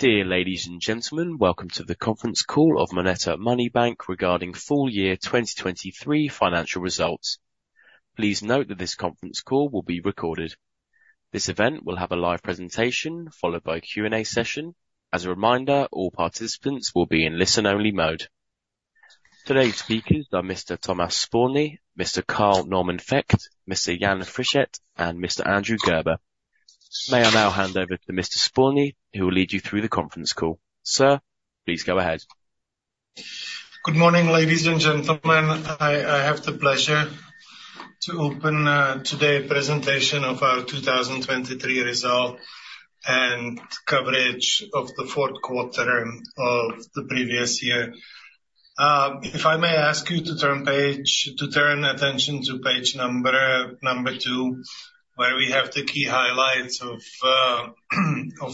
Dear ladies and gentlemen, welcome to the conference call of MONETA Money Bank regarding full year 2023 financial results. Please note that this conference call will be recorded. This event will have a live presentation, followed by a Q&A session. As a reminder, all participants will be in listen-only mode. Today's speakers are Mr. Tomáš Spurný, Mr. Carl Normann Vökt, Mr. Jan Friček, and Mr. Andrew Gerber. May I now hand over to Mr. Spurný, who will lead you through the conference call. Sir, please go ahead. Good morning, ladies and gentlemen. I have the pleasure to open today's presentation of our 2023 result, and coverage of the fourth quarter of the previous year. If I may ask you to turn attention to page number 2, where we have the key highlights of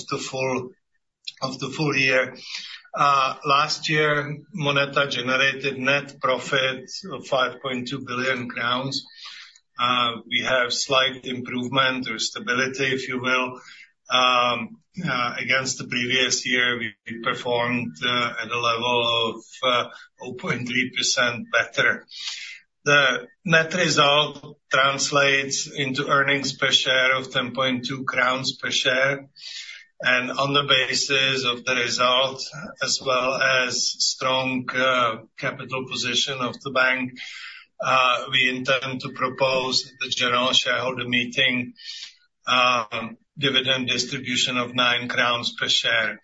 the full year. Last year, MONETA generated net profit of 5.2 billion crowns. We have slight improvement or stability, if you will. Against the previous year, we performed at a level of 0.3% better. The net result translates into earnings per share of 10.2 crowns per share, and on the basis of the result, as well as strong capital position of the bank, we intend to propose the general shareholder meeting dividend distribution of 9 crowns per share.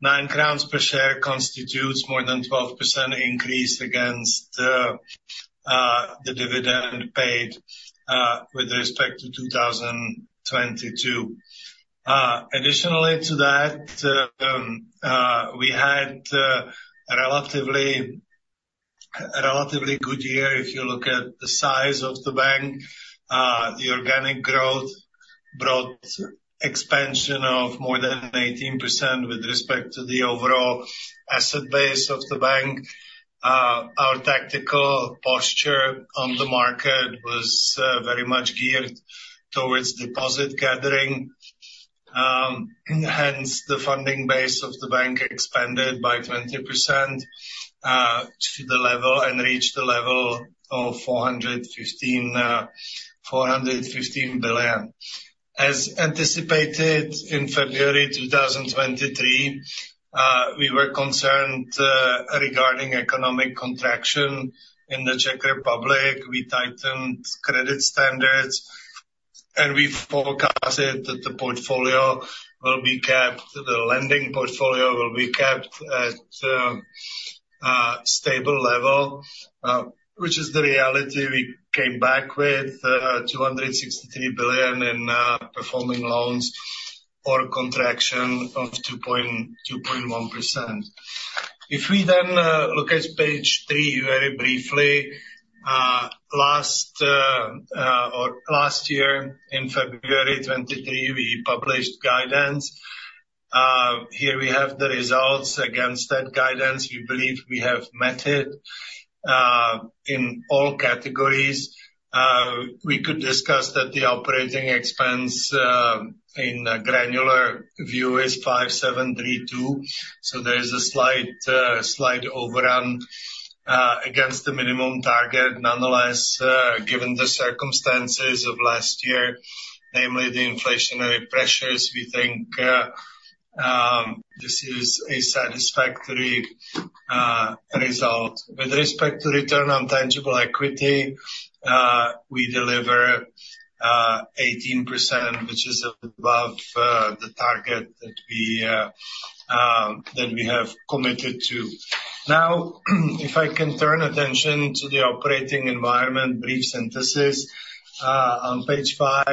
9 crowns per share constitutes more than 12% increase against the dividend paid with respect to 2022. Additionally to that, we had a relatively good year if you look at the size of the bank. The organic growth brought expansion of more than 18% with respect to the overall asset base of the bank. Our tactical posture on the market was very much geared towards deposit gathering. Hence, the funding base of the bank expanded by 20%, to the level, and reached the level of 415 billion. As anticipated, in February 2023, we were concerned regarding economic contraction in the Czech Republic. We tightened credit standards, and we forecasted that the portfolio will be kept, the lending portfolio will be kept at a stable level, which is the reality. We came back with 263 billion in performing loans or a contraction of 2.1%. If we then look at page three very briefly, last year in February 2023, we published guidance. Here we have the results against that guidance. We believe we have met it in all categories. We could discuss that the operating expense, in a granular view, is 5,732, so there is a slight overrun against the minimum target. Nonetheless, given the circumstances of last year, namely the inflationary pressures, we think this is a satisfactory result. With respect to return on tangible equity, we deliver 18%, which is above the target that we have committed to. Now, if I can turn attention to the operating environment, brief synthesis. On page 5,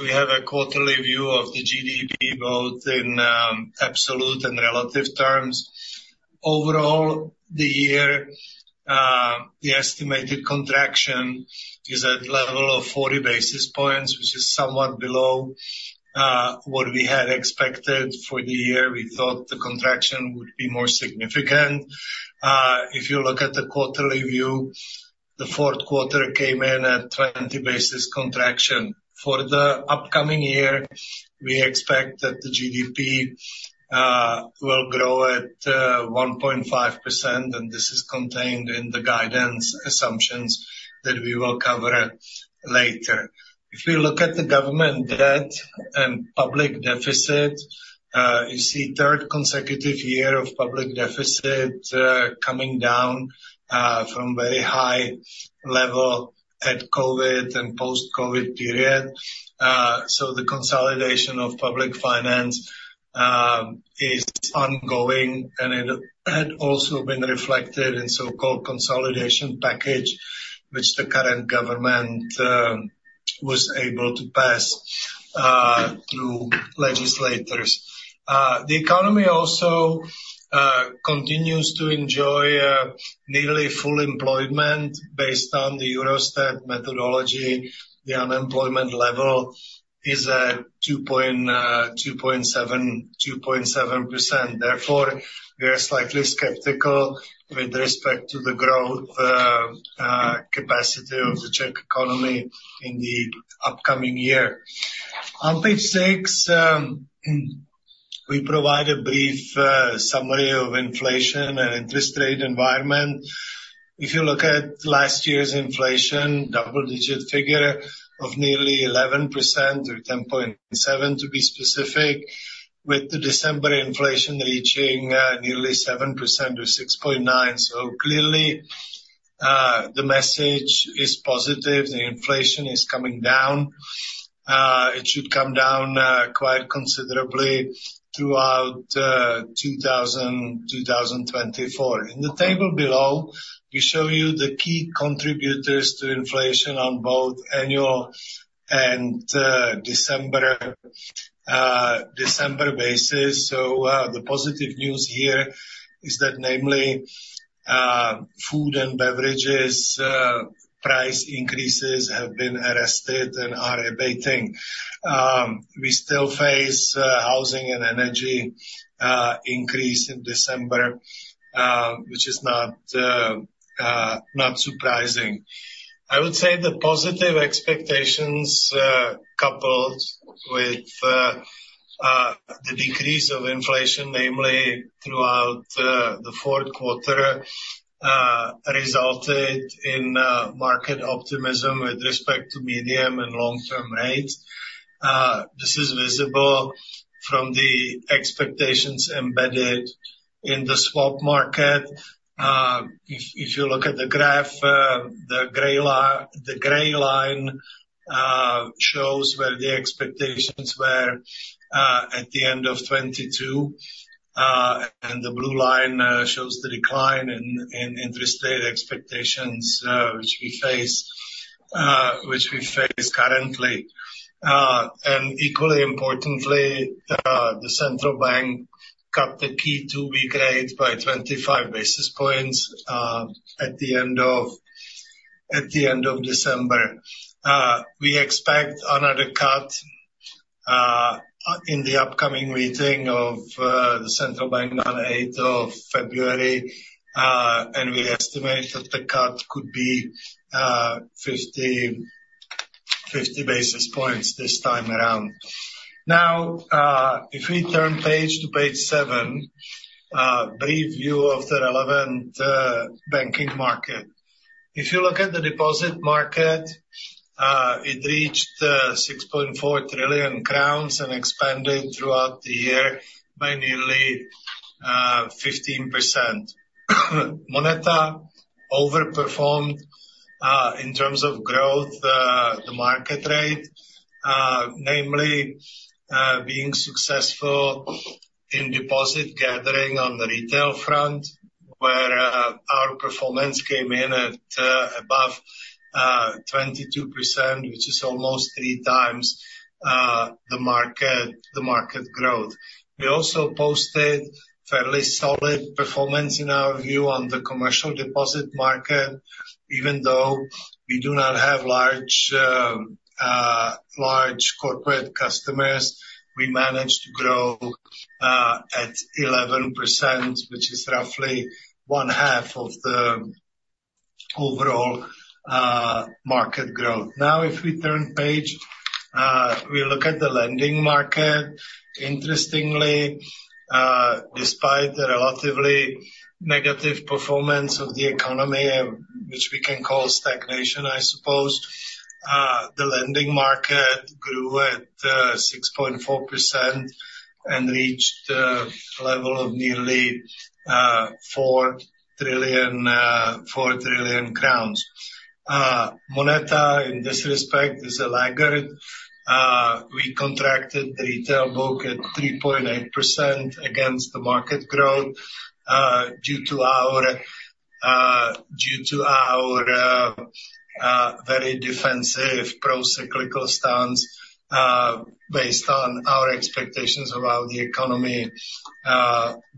we have a quarterly view of the GDP, both in absolute and relative terms. Overall, the year, the estimated contraction is at level of 40 basis points, which is somewhat below what we had expected for the year. We thought the contraction would be more significant. If you look at the quarterly view, the fourth quarter came in at 20 basis contraction. For the upcoming year, we expect that the GDP will grow at 1.5%, and this is contained in the guidance assumptions that we will cover later. If you look at the government debt and public deficit, you see third consecutive year of public deficit coming down from very high level at COVID and post-COVID period. So the consolidation of public finance is ongoing, and it had also been reflected in so-called consolidation package, which the current government was able to pass through legislators. The economy also continues to enjoy nearly full employment. Based on the Eurostat methodology, the unemployment level is at 2.7%. Therefore, we are slightly skeptical with respect to the growth capacity of the Czech economy in the upcoming year. On page 6, we provide a brief summary of inflation and interest rate environment. If you look at last year's inflation, double-digit figure of nearly 11%, or 10.7, to be specific, with the December inflation reaching nearly 7%, or 6.9. So clearly, the message is positive. The inflation is coming down. It should come down quite considerably throughout 2024. In the table below, we show you the key contributors to inflation on both annual and December basis. So, the positive news here is that namely, food and beverages price increases have been arrested and are abating. We still face housing and energy increase in December, which is not surprising. I would say the positive expectations coupled with the decrease of inflation, namely throughout the fourth quarter, resulted in market optimism with respect to medium and long-term rates. This is visible from the expectations embedded in the swap market. If you look at the graph, the gray line shows where the expectations were at the end of 2022, and the blue line shows the decline in interest rate expectations which we face currently. And equally importantly, the central bank cut the key two-week rate by 25 basis points at the end of December. We expect another cut in the upcoming meeting of the central bank on the eighth of February, and we estimate that the cut could be 50 basis points this time around. Now, if we turn page to page 7, brief view of the relevant banking market. If you look at the deposit market, it reached 6.4 trillion crowns and expanded throughout the year by nearly 15%. MONETA overperformed in terms of growth the market rate, namely being successful in deposit gathering on the retail front, where our performance came in at above 22%, which is almost three times the market growth. We also posted fairly solid performance, in our view, on the commercial deposit market, even though we do not have large corporate customers. We managed to grow at 11%, which is roughly one half of the overall market growth. Now, if we turn page, we look at the lending market. Interestingly, despite the relatively negative performance of the economy, which we can call stagnation, I suppose, the lending market grew at 6.4% and reached a level of nearly 4 trillion crowns. MONETA, in this respect, is a laggard. We contracted the retail book at 3.8% against the market growth due to our very defensive procyclical stance, based on our expectations around the economy,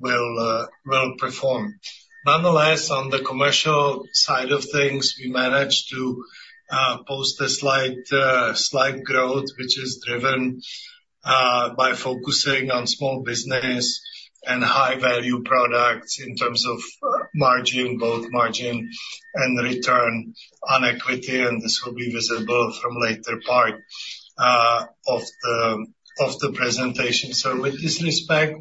will perform. Nonetheless, on the commercial side of things, we managed to post a slight, slight growth, which is driven by focusing on small business and high-value products in terms of margin, both margin and return on equity, and this will be visible from later part of the presentation. So with this respect,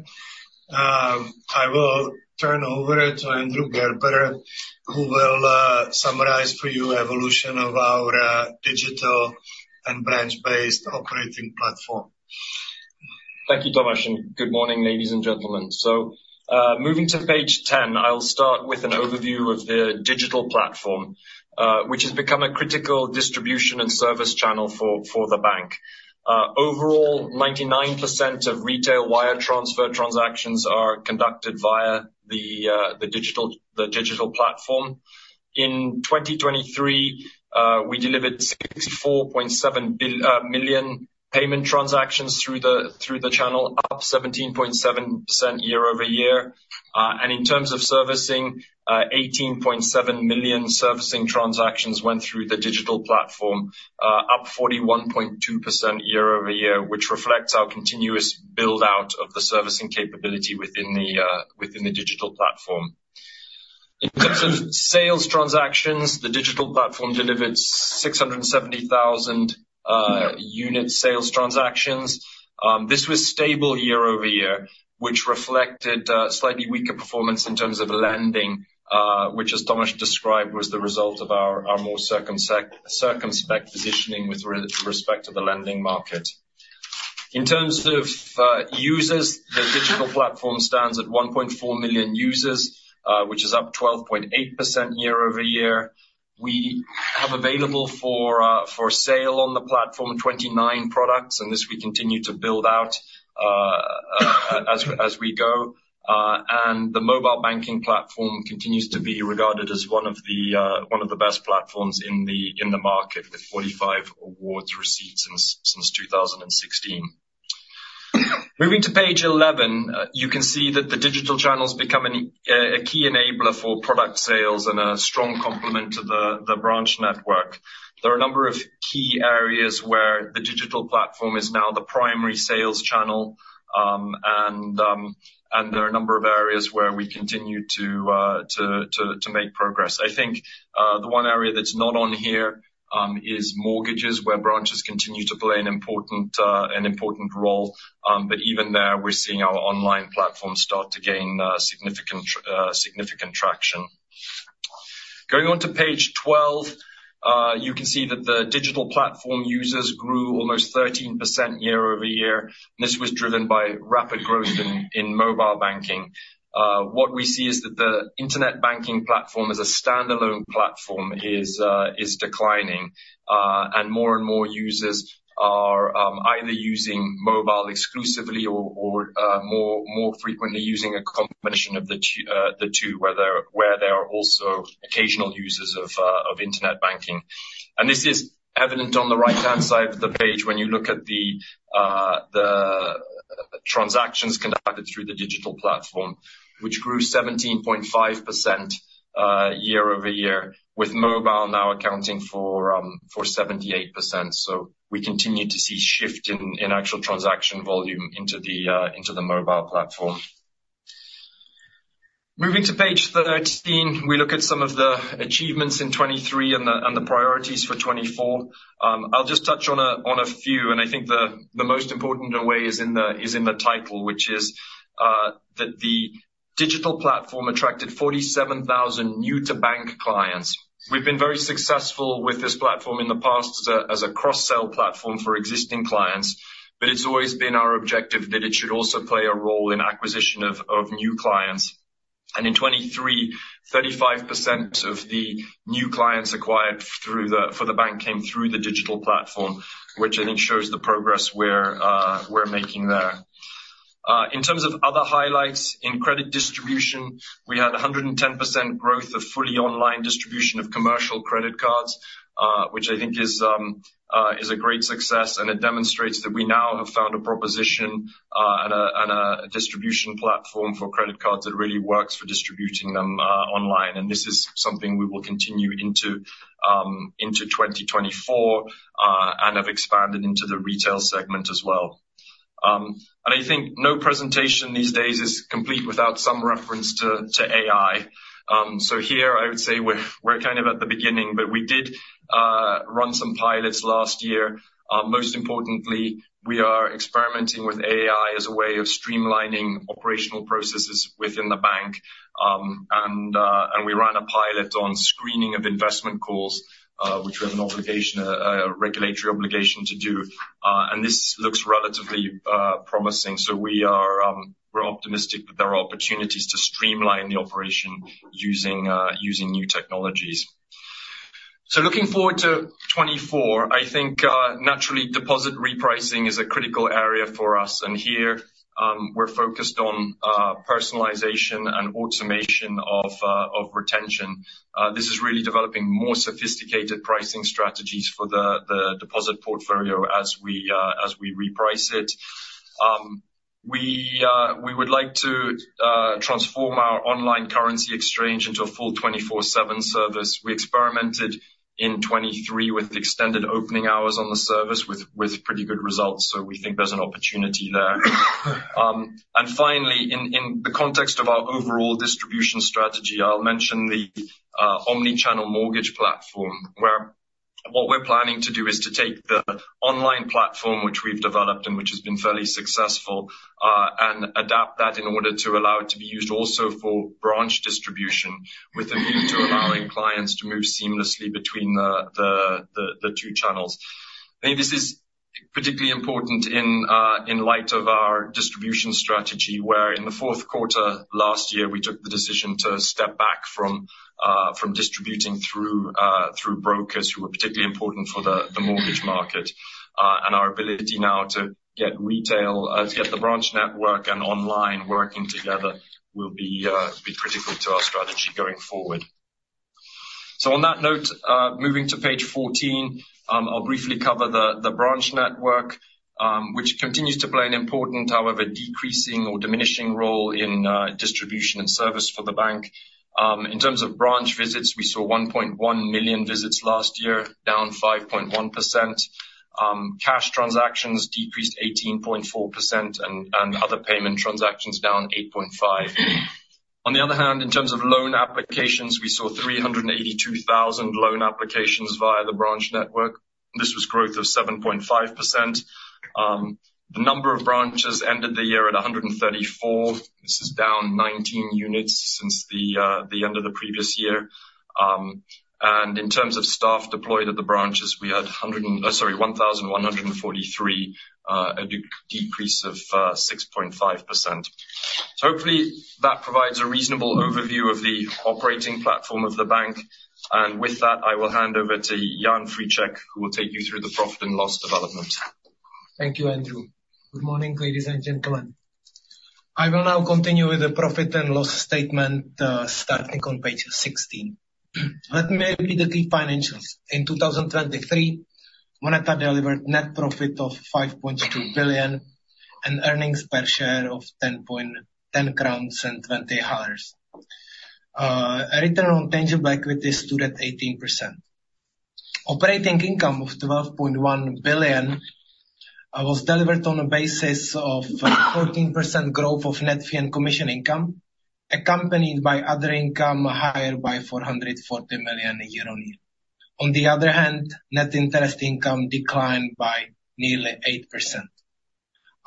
I will turn over to Andrew Gerber, who will summarize for you evolution of our digital and branch-based operating platform. Thank you, Tomáš, and good morning, ladies and gentlemen. So, moving to page ten, I'll start with an overview of the digital platform, which has become a critical distribution and service channel for the bank. Overall, 99% of retail wire transfer transactions are conducted via the digital platform. In 2023, we delivered 64.7 million payment transactions through the channel, up 17.7% year-over-year. And in terms of servicing, 18.7 million servicing transactions went through the digital platform, up 41.2% year-over-year, which reflects our continuous build-out of the servicing capability within the digital platform. In terms of sales transactions, the digital platform delivered 670,000 unit sales transactions. This was stable year-over-year, which reflected slightly weaker performance in terms of lending, which as Tomáš described, was the result of our more circumspect positioning with respect to the lending market. In terms of users, the digital platform stands at 1.4 million users, which is up 12.8% year-over-year. We have available for sale on the platform 29 products, and this we continue to build out as we go. And the mobile banking platform continues to be regarded as one of the best platforms in the market, with 45 awards received since 2016. Moving to page 11, you can see that the digital channel's becoming a key enabler for product sales and a strong complement to the branch network. There are a number of key areas where the digital platform is now the primary sales channel, and there are a number of areas where we continue to make progress. I think the one area that's not on here is mortgages, where branches continue to play an important role, but even there, we're seeing our online platform start to gain significant traction. Going on to page 12, you can see that the digital platform users grew almost 13% year-over-year. This was driven by rapid growth in mobile banking. What we see is that the internet banking platform as a standalone platform is declining, and more and more users are either using mobile exclusively or more frequently using a combination of the two, where they are also occasional users of internet banking. And this is evident on the right-hand side of the page when you look at the transactions conducted through the digital platform, which grew 17.5% year-over-year, with mobile now accounting for 78%. So we continue to see shift in actual transaction volume into the mobile platform. Moving to page 13, we look at some of the achievements in 2023 and the priorities for 2024. I'll just touch on a few, and I think the most important in a way is in the title, which is that the digital platform attracted 47,000 new to bank clients. We've been very successful with this platform in the past as a cross-sell platform for existing clients, but it's always been our objective that it should also play a role in acquisition of new clients. And in 2023, 35% of the new clients acquired through the for the bank came through the digital platform, which I think shows the progress we're making there. In terms of other highlights, in credit distribution, we had 110% growth of fully online distribution of commercial credit cards, which I think is a great success, and it demonstrates that we now have found a proposition and a distribution platform for credit cards that really works for distributing them online. And this is something we will continue into 2024 and have expanded into the retail segment as well. And I think no presentation these days is complete without some reference to AI. So here I would say we're kind of at the beginning, but we did run some pilots last year. Most importantly, we are experimenting with AI as a way of streamlining operational processes within the bank. and we ran a pilot on screening of investment calls, which we have a regulatory obligation to do. And this looks relatively promising, so we're optimistic that there are opportunities to streamline the operation using new technologies. So looking forward to 2024, I think, naturally, deposit repricing is a critical area for us, and here, we're focused on personalization and automation of retention. This is really developing more sophisticated pricing strategies for the deposit portfolio as we reprice it. We would like to transform our online currency exchange into a full 24/7 service. We experimented in 2023 with extended opening hours on the service with pretty good results, so we think there's an opportunity there. And finally, in the context of our overall distribution strategy, I'll mention the omni-channel mortgage platform, where what we're planning to do is to take the online platform, which we've developed and which has been fairly successful, and adapt that in order to allow it to be used also for branch distribution, with a view to allowing clients to move seamlessly between the two channels. I think this is particularly important in light of our distribution strategy, where in the fourth quarter last year, we took the decision to step back from distributing through brokers who were particularly important for the mortgage market. And our ability now to get the branch network and online working together will be critical to our strategy going forward. So on that note, moving to page 14, I'll briefly cover the branch network, which continues to play an important, however, decreasing or diminishing role in distribution and service for the bank. In terms of branch visits, we saw 1.1 million visits last year, down 5.1%. Cash transactions decreased 18.4%, and other payment transactions down 8.5%. On the other hand, in terms of loan applications, we saw 382,000 loan applications via the branch network. This was growth of 7.5%. The number of branches ended the year at 134. This is down 19 units since the end of the previous year. In terms of staff deployed at the branches, we had 1,143, a decrease of 6.5%. Hopefully that provides a reasonable overview of the operating platform of the bank. With that, I will hand over to Jan Friček, who will take you through the profit and loss development. Thank you, Andrew. Good morning, ladies and gentlemen. I will now continue with the profit and loss statement, starting on page 16. Let me read the key financials. In 2023, MONETA delivered net profit of 5.2 billion and earnings per share of 10.20 crowns. A return on tangible equity stood at 18%. Operating income of 12.1 billion was delivered on a basis of 14% growth of net fee and commission income, accompanied by other income higher by CZK 440 million year-on-year. On the other hand, net interest income declined by nearly 8%.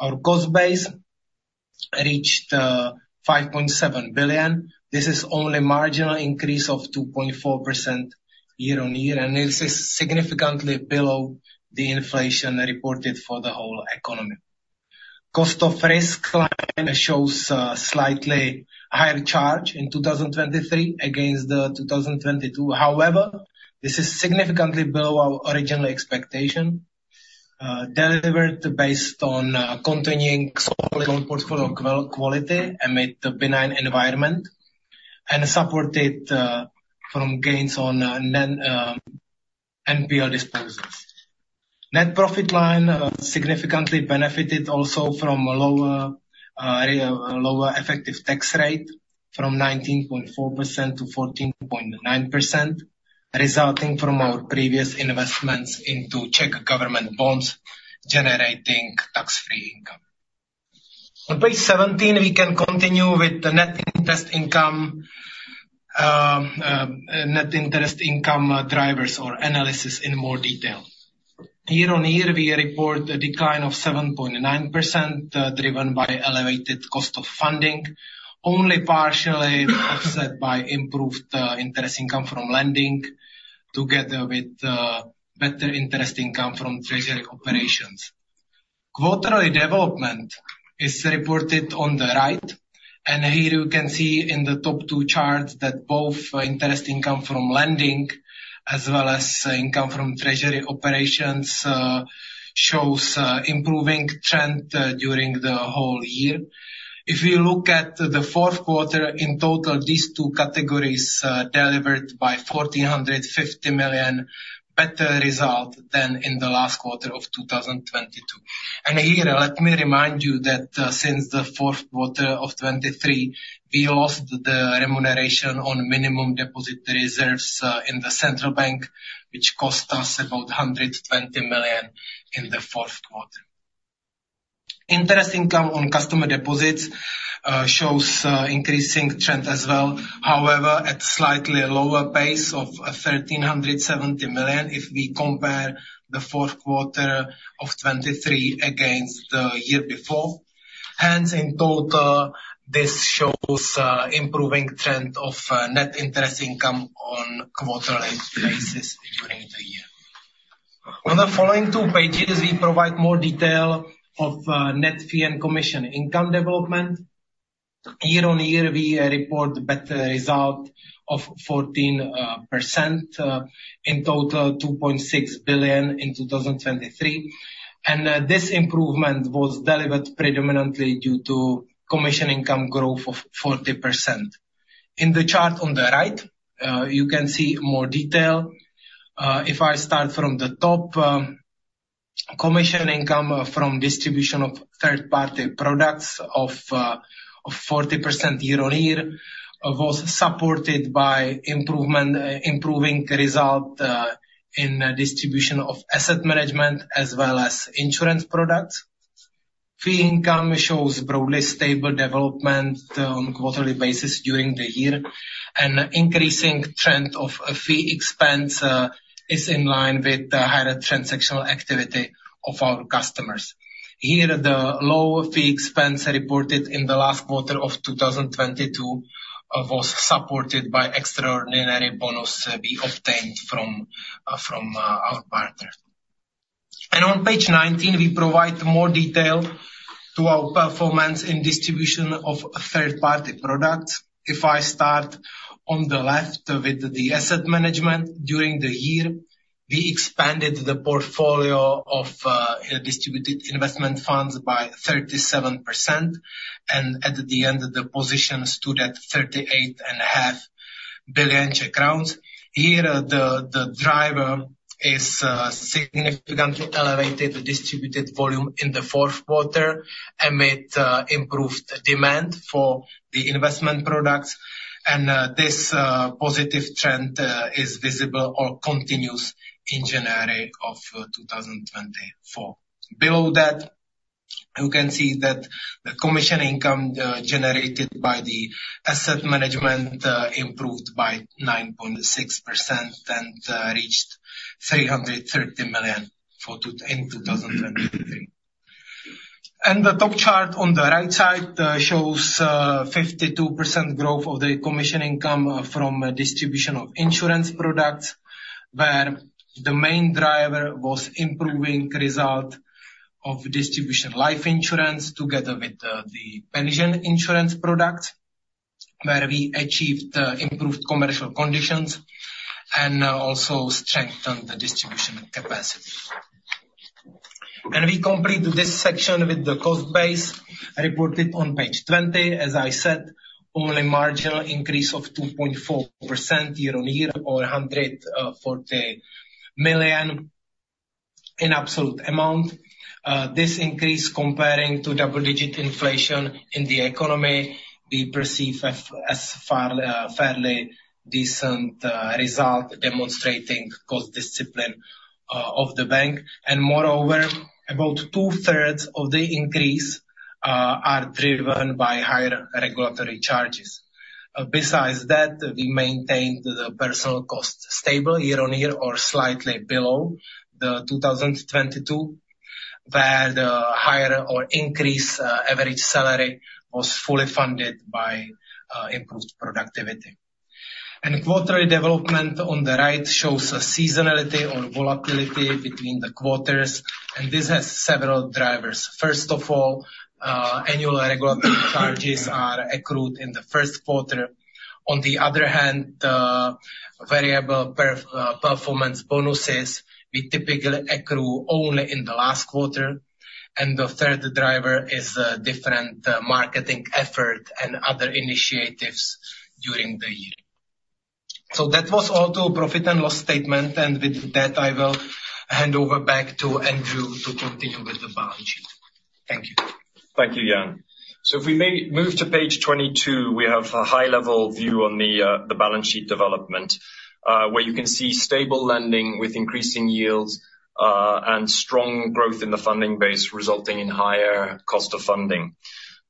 Our cost base reached 5.7 billion. This is only marginal increase of 2.4% year-on-year, and this is significantly below the inflation reported for the whole economy. Cost of risk line shows slightly higher charge in 2023 against 2022. However, this is significantly below our original expectation, delivered based on continuing portfolio quality amid the benign environment and supported from gains on the NPL disposals. Net profit line significantly benefited also from lower, really lower effective tax rate from 19.4% to 14.9%, resulting from our previous investments into Czech government bonds, generating tax-free income. On page 17, we can continue with the net interest income drivers or analysis in more detail. Year-on-year, we report a decline of 7.9%, driven by elevated cost of funding, only partially offset by improved interest income from lending, together with better interest income from treasury operations. Quarterly development is reported on the right, and here you can see in the top two charts that both interest income from lending as well as income from treasury operations shows improving trend during the whole year. If you look at the fourth quarter, in total, these two categories delivered by 1,450 million better result than in the last quarter of 2022. And here, let me remind you that since the fourth quarter of 2023, we lost the remuneration on minimum deposit reserves in the central bank, which cost us about 120 million in the fourth quarter. Interest income on customer deposits shows increasing trend as well. However, at slightly lower pace of 1,370 million, if we compare the fourth quarter of 2023 against the year before. Hence, in total, this shows improving trend of net interest income on quarterly basis during the year. On the following two pages, we provide more detail of net fee and commission income development. Year-on-year, we report better result of 14%, in total, 2.6 billion in 2023, and this improvement was delivered predominantly due to commission income growth of 40%. In the chart on the right, you can see more detail. If I start from the top, commission income from distribution of third-party products of 40% year-on-year was supported by improvement, improving result in distribution of asset management as well as insurance products. Fee income shows broadly stable development on a quarterly basis during the year, and increasing trend of a fee expense is in line with the higher transactional activity of our customers. Here, the lower fee expense reported in the last quarter of 2022 was supported by extraordinary bonus we obtained from our partner. On page 19, we provide more detail to our performance in distribution of third-party products. If I start on the left with the asset management, during the year, we expanded the portfolio of distributed investment funds by 37%, and at the end, the position stood at 38.5 billion Czech crowns. Here, the driver is significantly elevated distributed volume in the fourth quarter, amid improved demand for the investment products. This positive trend is visible or continues in January 2024. Below that. You can see that the commission income generated by the asset management improved by 9.6% and reached 330 million in 2023. And the top chart on the right side shows 52% growth of the commission income from distribution of insurance products, where the main driver was improving result of distribution life insurance together with the pension insurance products, where we achieved improved commercial conditions and also strengthened the distribution capacity. And we complete this section with the cost base reported on page 20. As I said, only marginal increase of 2.4% year-on-year, or 140 million in absolute amount. This increase, comparing to double-digit inflation in the economy, we perceive as far fairly decent result, demonstrating cost discipline of the bank. And moreover, about two-thirds of the increase are driven by higher regulatory charges. Besides that, we maintained the personal cost stable year-on-year or slightly below the 2022, where the higher or increased average salary was fully funded by improved productivity. And quarterly development on the right shows a seasonality or volatility between the quarters, and this has several drivers. First of all, annual regulatory charges are accrued in the first quarter. On the other hand, the variable performance bonuses, we typically accrue only in the last quarter, and the third driver is different marketing effort and other initiatives during the year. So that was all to profit and loss statement, and with that, I will hand over back to Andrew to continue with the balance sheet. Thank you. Thank you, Jan. So if we may move to page 22, we have a high-level view on the balance sheet development, where you can see stable lending with increasing yields, and strong growth in the funding base, resulting in higher cost of funding.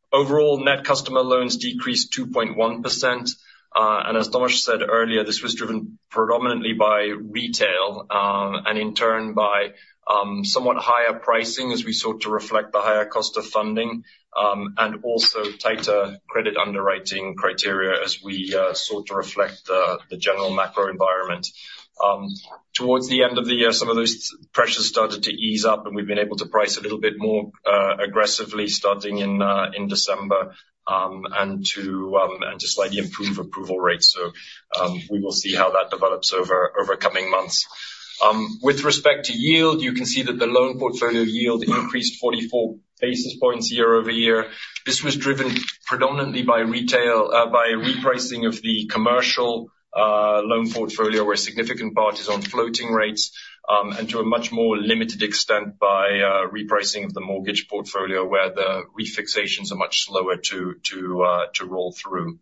Overall, net customer loans decreased 2.1%. As Tomáš said earlier, this was driven predominantly by retail, and in turn by somewhat higher pricing as we sought to reflect the higher cost of funding, and also tighter credit underwriting criteria as we sought to reflect the general macro environment. Towards the end of the year, some of those pressures started to ease up, and we've been able to price a little bit more aggressively starting in December, and to slightly improve approval rates. So, we will see how that develops over coming months. With respect to yield, you can see that the loan portfolio yield increased 44 basis points year-over-year. This was driven predominantly by retail, by repricing of the commercial loan portfolio, where a significant part is on floating rates, and to a much more limited extent by repricing of the mortgage portfolio, where the refixations are much slower to roll through.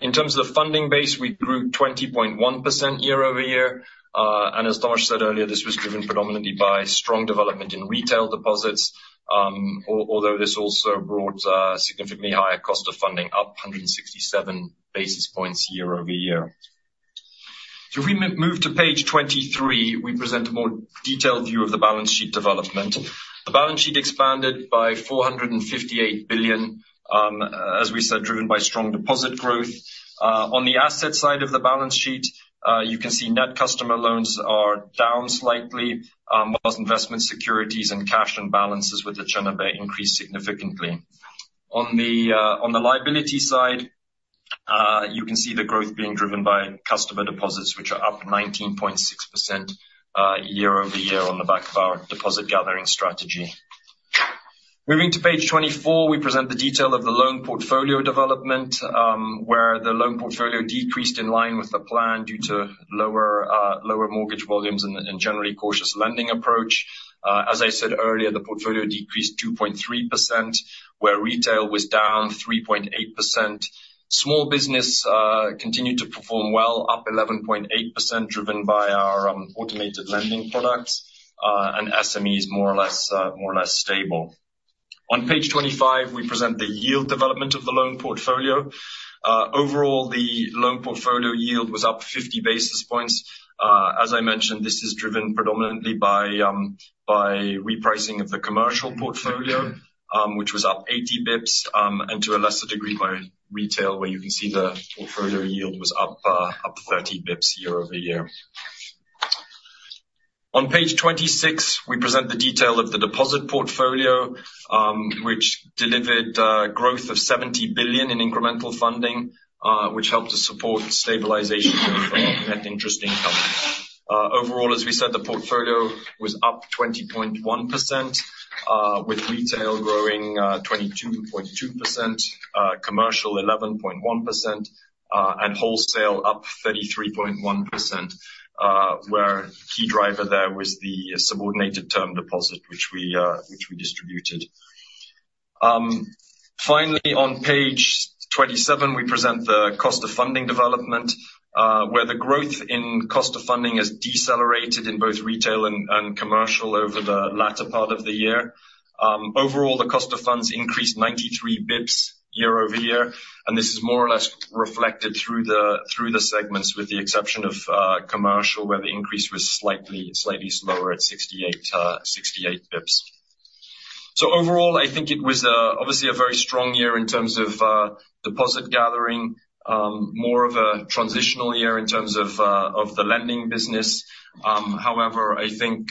In terms of the funding base, we grew 20.1% year-over-year. And as Tomáš said earlier, this was driven predominantly by strong development in retail deposits, although this also brought significantly higher cost of funding, up 167 basis points year-over-year. If we move to page 23, we present a more detailed view of the balance sheet development. The balance sheet expanded by 458 billion, as we said, driven by strong deposit growth. On the asset side of the balance sheet, you can see net customer loans are down slightly, while investment securities and cash and balances with the central bank increased significantly. On the liability side, you can see the growth being driven by customer deposits, which are up 19.6% year-over-year on the back of our deposit gathering strategy. Moving to page 24, we present the detail of the loan portfolio development, where the loan portfolio decreased in line with the plan due to lower mortgage volumes and generally cautious lending approach. As I said earlier, the portfolio decreased 2.3%, where retail was down 3.8%. Small business continued to perform well, up 11.8%, driven by our automated lending products, and SMEs more or less, more or less stable. On page 25, we present the yield development of the loan portfolio. Overall, the loan portfolio yield was up 50 basis points. As I mentioned, this is driven predominantly by repricing of the commercial portfolio, which was up 80 basis points, and to a lesser degree by retail, where you can see the portfolio yield was up 30 basis points year-over-year. On page 26, we present the detail of the deposit portfolio, which delivered growth of 70 billion in incremental funding, which helped to support stabilization of net interest income. Overall, as we said, the portfolio was up 20.1%, with retail growing 22.2%, commercial 11.1%, and wholesale up 33.1%, where key driver there was the subordinated term deposit, which we distributed. Finally, on page 27, we present the cost of funding development, where the growth in cost of funding has decelerated in both retail and commercial over the latter part of the year. Overall, the cost of funds increased 93 basis points year-over-year, and this is more or less reflected through the, through the segments, with the exception of commercial, where the increase was slightly, slightly slower at 68 basis points. So overall, I think it was obviously a very strong year in terms of deposit gathering. More of a transitional year in terms of the lending business. However, I think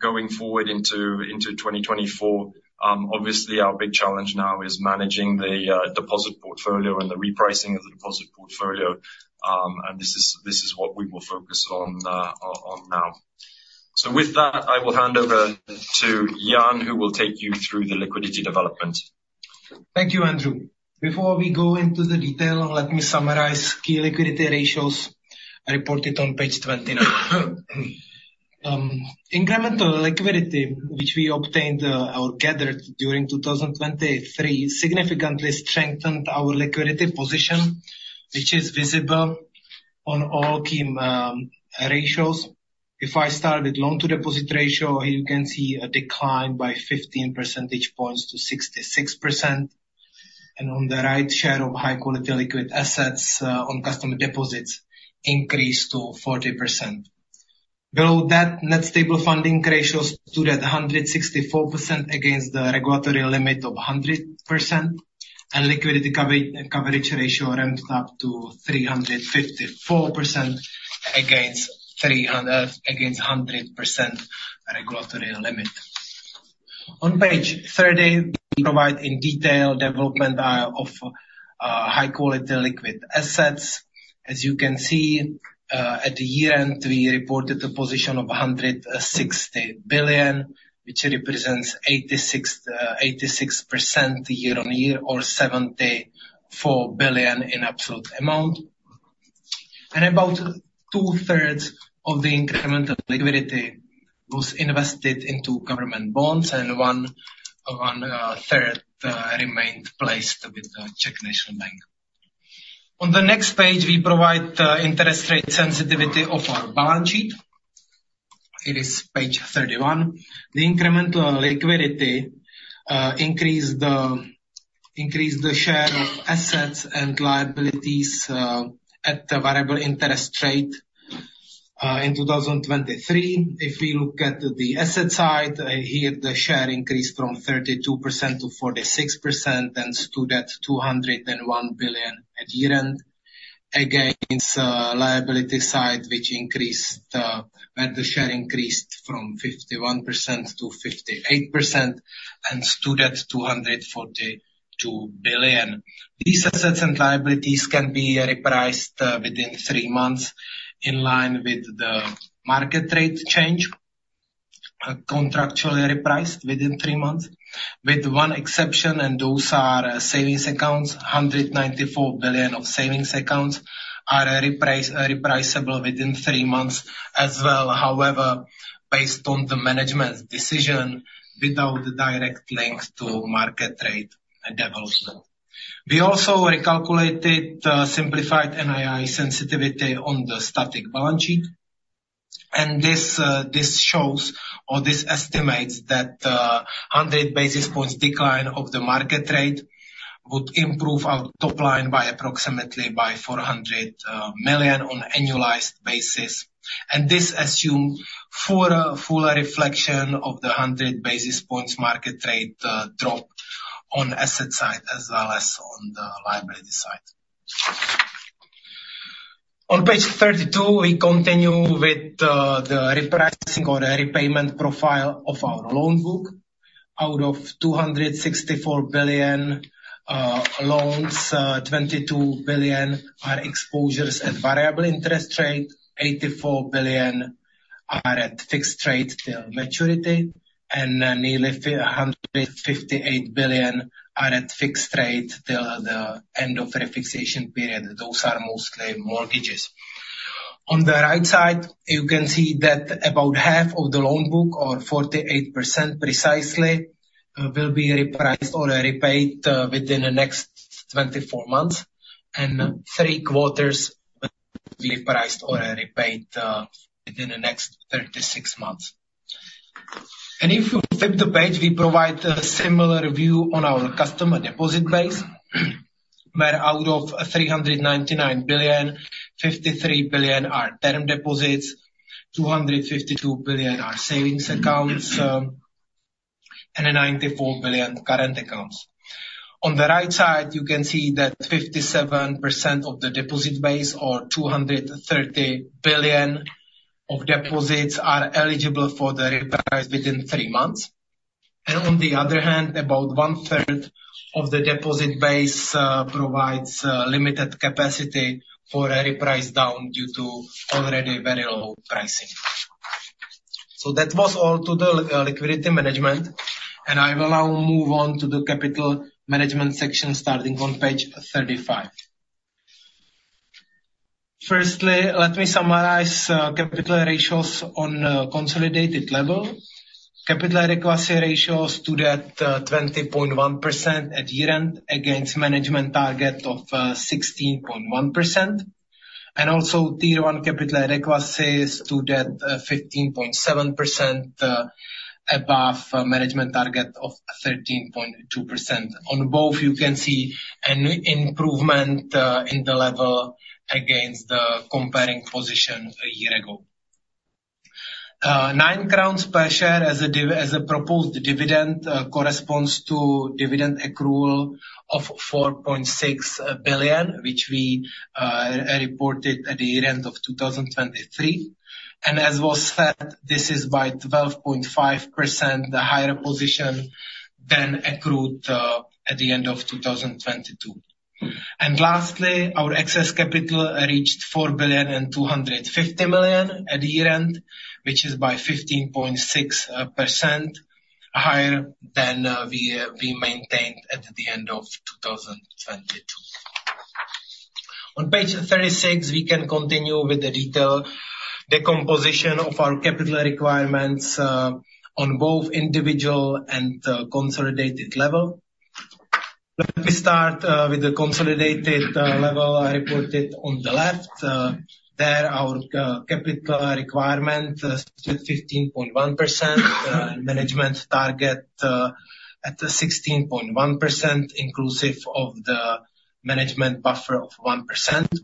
going forward into 2024, obviously, our big challenge now is managing the deposit portfolio and the repricing of the deposit portfolio. And this is what we will focus on now. So with that, I will hand over to Jan, who will take you through the liquidity development. Thank you, Andrew. Before we go into the detail, let me summarize key liquidity ratios reported on page 29. Incremental liquidity, which we obtained or gathered during 2023, significantly strengthened our liquidity position, which is visible on all key ratios. If I start with loan-to-deposit ratio, you can see a decline by 15 percentage points to 66%. On the right, share of high-quality liquid assets on customer deposits increased to 40%. Below that, net stable funding ratios stood at 164% against the regulatory limit of 100%, and liquidity coverage ratio ramped up to 354% against 100% regulatory limit. On page 30, we provide in detail development of high-quality liquid assets. As you can see, at the year-end, we reported a position of 160 billion, which represents 86% year-on-year, or 74 billion in absolute amount. About two-thirds of the incremental liquidity was invested into government bonds, and one-third remained placed with the Czech National Bank. On the next page, we provide the interest rate sensitivity of our balance sheet. It is page 31. The incremental liquidity increased the share of assets and liabilities at the variable interest rate in 2023. If we look at the asset side, here, the share increased from 32% to 46% and stood at 201 billion at year-end. Against liability side, which increased, where the share increased from 51% to 58% and stood at 242 billion. These assets and liabilities can be repriced within three months, in line with the market rate change, contractually repriced within three months, with one exception, and those are savings accounts. 194 billion of savings accounts are repriced repriceable within three months as well. However, based on the management's decision, without direct link to market rate development. We also recalculated simplified NII sensitivity on the static balance sheet. And this this shows or this estimates that 100 basis points decline of the market rate would improve our top line by approximately by 400 million on annualized basis. And this assumes full full reflection of the 100 basis points market rate drop on asset side, as well as on the liability side. On page 32, we continue with the repricing or the repayment profile of our loan book. Out of 264 billion loans, 22 billion are exposures at variable interest rate, 84 billion are at fixed rate till maturity, and nearly 158 billion are at fixed rate till the end of refixation period. Those are mostly mortgages. On the right side, you can see that about half of the loan book, or 48% precisely, will be repriced or repaid within the next 24 months, and three quarters will be repriced or repaid within the next 36 months. And if you flip the page, we provide a similar view on our customer deposit base, where out of 399 billion, 53 billion are term deposits, 252 billion are savings accounts, and 94 billion, current accounts. On the right side, you can see that 57% of the deposit base or 230 billion of deposits are eligible for the reprice within three months. On the other hand, about one-third of the deposit base provides limited capacity for a reprice down due to already very low pricing. That was all to the liquidity management, and I will now move on to the capital management section, starting on page 35. Firstly, let me summarize capital ratios on consolidated level. Capital adequacy ratios stood at 20.1% at year-end, against management target of 16.1%. Also Tier 1 capital adequacy stood at 15.7%, above management target of 13.2%. On both, you can see an improvement in the level against the comparing position a year ago. Nine crowns per share as a proposed dividend corresponds to dividend accrual of 4.6 billion, which we reported at the year-end of 2023. And as was said, this is by 12.5% the higher position than accrued at the end of 2022. And lastly, our excess capital reached 4.25 billion at year-end, which is by 15.6% higher than we maintained at the end of 2022. On page 36, we can continue with the detailed decomposition of our capital requirements on both individual and consolidated level. Let me start with the consolidated level reported on the left. There, our capital requirement stood 15.1%, management target at 16.1%, inclusive of the management buffer of 1%.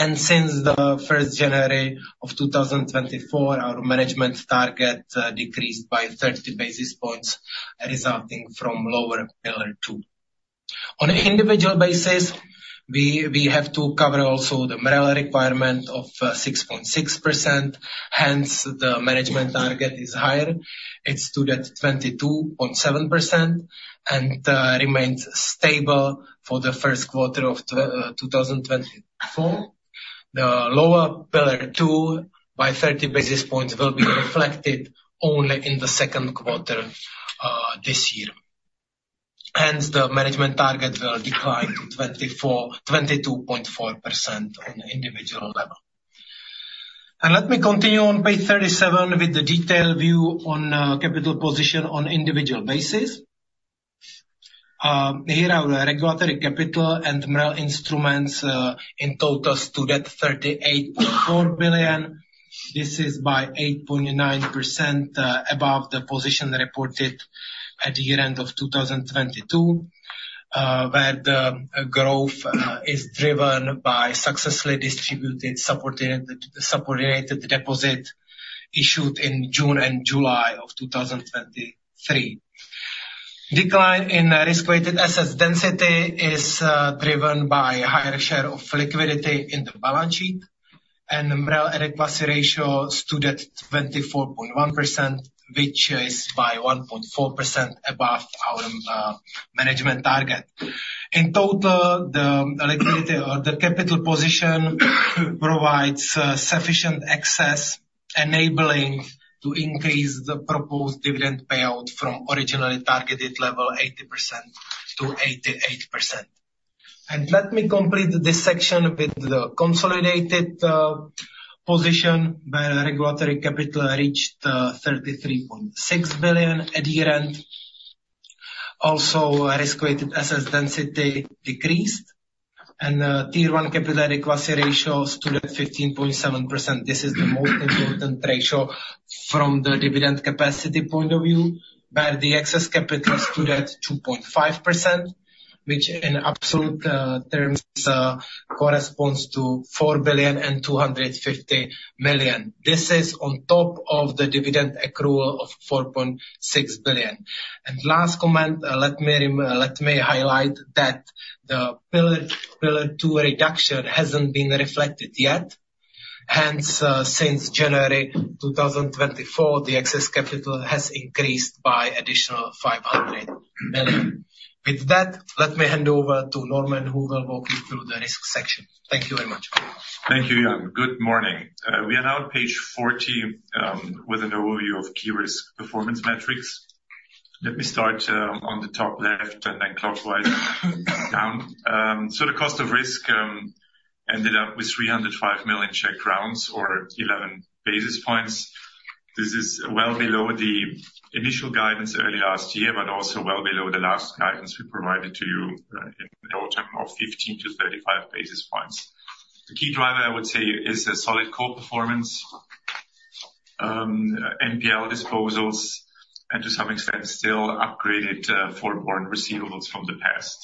Since the first January of 2024, our management target decreased by 30 basis points, resulting from lower Pillar II. On an individual basis, we have to cover also the MREL requirement of 6.6%, hence the management target is higher. It stood at 22.7% and remains stable for the first quarter of 2024. The lower Pillar II by 30 basis points will be reflected only in the second quarter this year. Hence, the management target will decline to 22.4% on individual level. And let me continue on page 37 with the detailed view on capital position on individual basis. Here our regulatory capital and MREL instruments in total stood at 38.4 billion. This is by 8.9% above the position reported at the year-end of 2022, where the growth is driven by successfully distributed supported subordinated deposit issued in June and July of 2023. Decline in risk-weighted assets density is driven by higher share of liquidity in the balance sheet, and the MREL adequacy ratio stood at 24.1%, which is by 1.4% above our management target. In total, the liquidity or the capital position provides sufficient access, enabling to increase the proposed dividend payout from originally targeted level 80% to 88%. Let me complete this section with the consolidated position, where regulatory capital reached 33.6 billion at year-end. Also, risk-weighted assets density decreased, and Tier 1 capital adequacy ratio stood at 15.7%. This is the most important ratio from the dividend capacity point of view, where the excess capital stood at 2.5%, which in absolute terms corresponds to 4.25 billion. This is on top of the dividend accrual of 4.6 billion. Last comment, let me highlight that the Pillar II reduction hasn't been reflected yet. Hence, since January 2024, the excess capital has increased by additional 500 million. With that, let me hand over to Normann, who will walk you through the risk section. Thank you very much. Thank you, Jan. Good morning. We are now on page 40 with an overview of key risk performance metrics. Let me start on the top left and then clockwise down. So the cost of risk ended up with 305 million, or 11 basis points. This is well below the initial guidance early last year, but also well below the last guidance we provided to you in the autumn of 15-35 basis points. The key driver, I would say, is the solid core performance, NPL disposals, and to some extent, still upgraded forborne receivables from the past.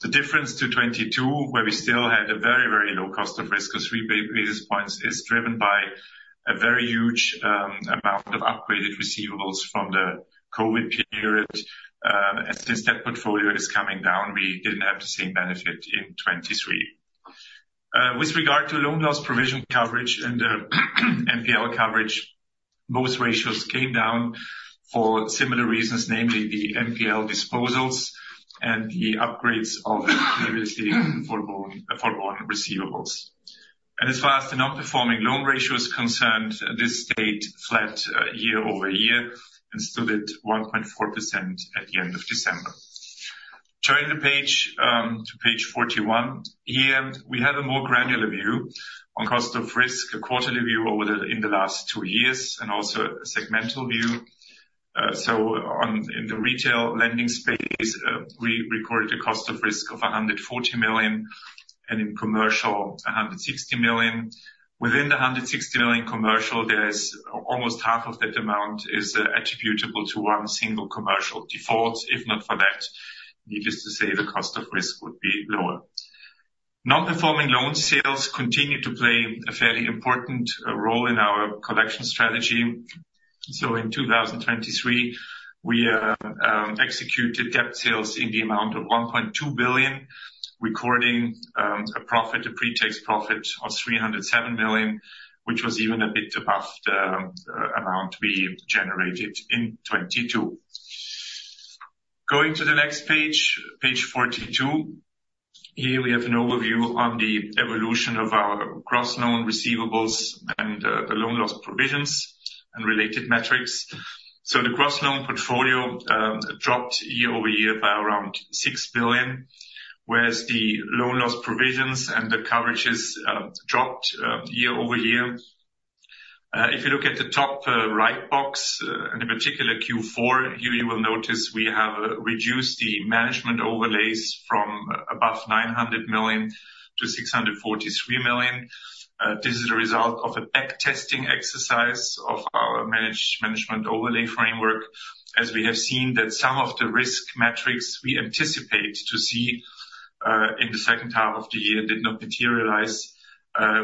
The difference to '2022, where we still had a very, very low cost of risk of 3 basis points, is driven by a very huge amount of upgraded receivables from the COVID period. And since that portfolio is coming down, we didn't have the same benefit in 2023. With regard to loan loss provision coverage and NPL coverage, both ratios came down for similar reasons, namely the NPL disposals and the upgrades of previously forborne receivables. And as far as the non-performing loan ratio is concerned, this stayed flat year-over-year and stood at 1.4% at the end of December. Turning the page to page 41, here we have a more granular view on cost of risk, a quarterly view in the last two years, and also a segmental view. In the retail lending space, we recorded a cost of risk of 140 million, and in commercial, 160 million. Within the 160 million commercial, there is almost half of that amount is attributable to one single commercial default. If not for that, needless to say, the cost of risk would be lower. Non-performing loan sales continue to play a fairly important role in our collection strategy. So in 2023, we executed debt sales in the amount of 1.2 billion, recording a profit, a pre-tax profit of 307 million, which was even a bit above the amount we generated in 2022. Going to the next page, page 42. Here we have an overview on the evolution of our gross loan receivables and the loan loss provisions and related metrics. The gross loan portfolio dropped year-over-year by around 6 billion, whereas the loan loss provisions and the coverages dropped year-over-year. If you look at the top right box and in particular Q4, here you will notice we have reduced the management overlays from above 900 million to 643 million. This is a result of a back testing exercise of our management overlay framework, as we have seen that some of the risk metrics we anticipate to see in the second half of the year did not materialize,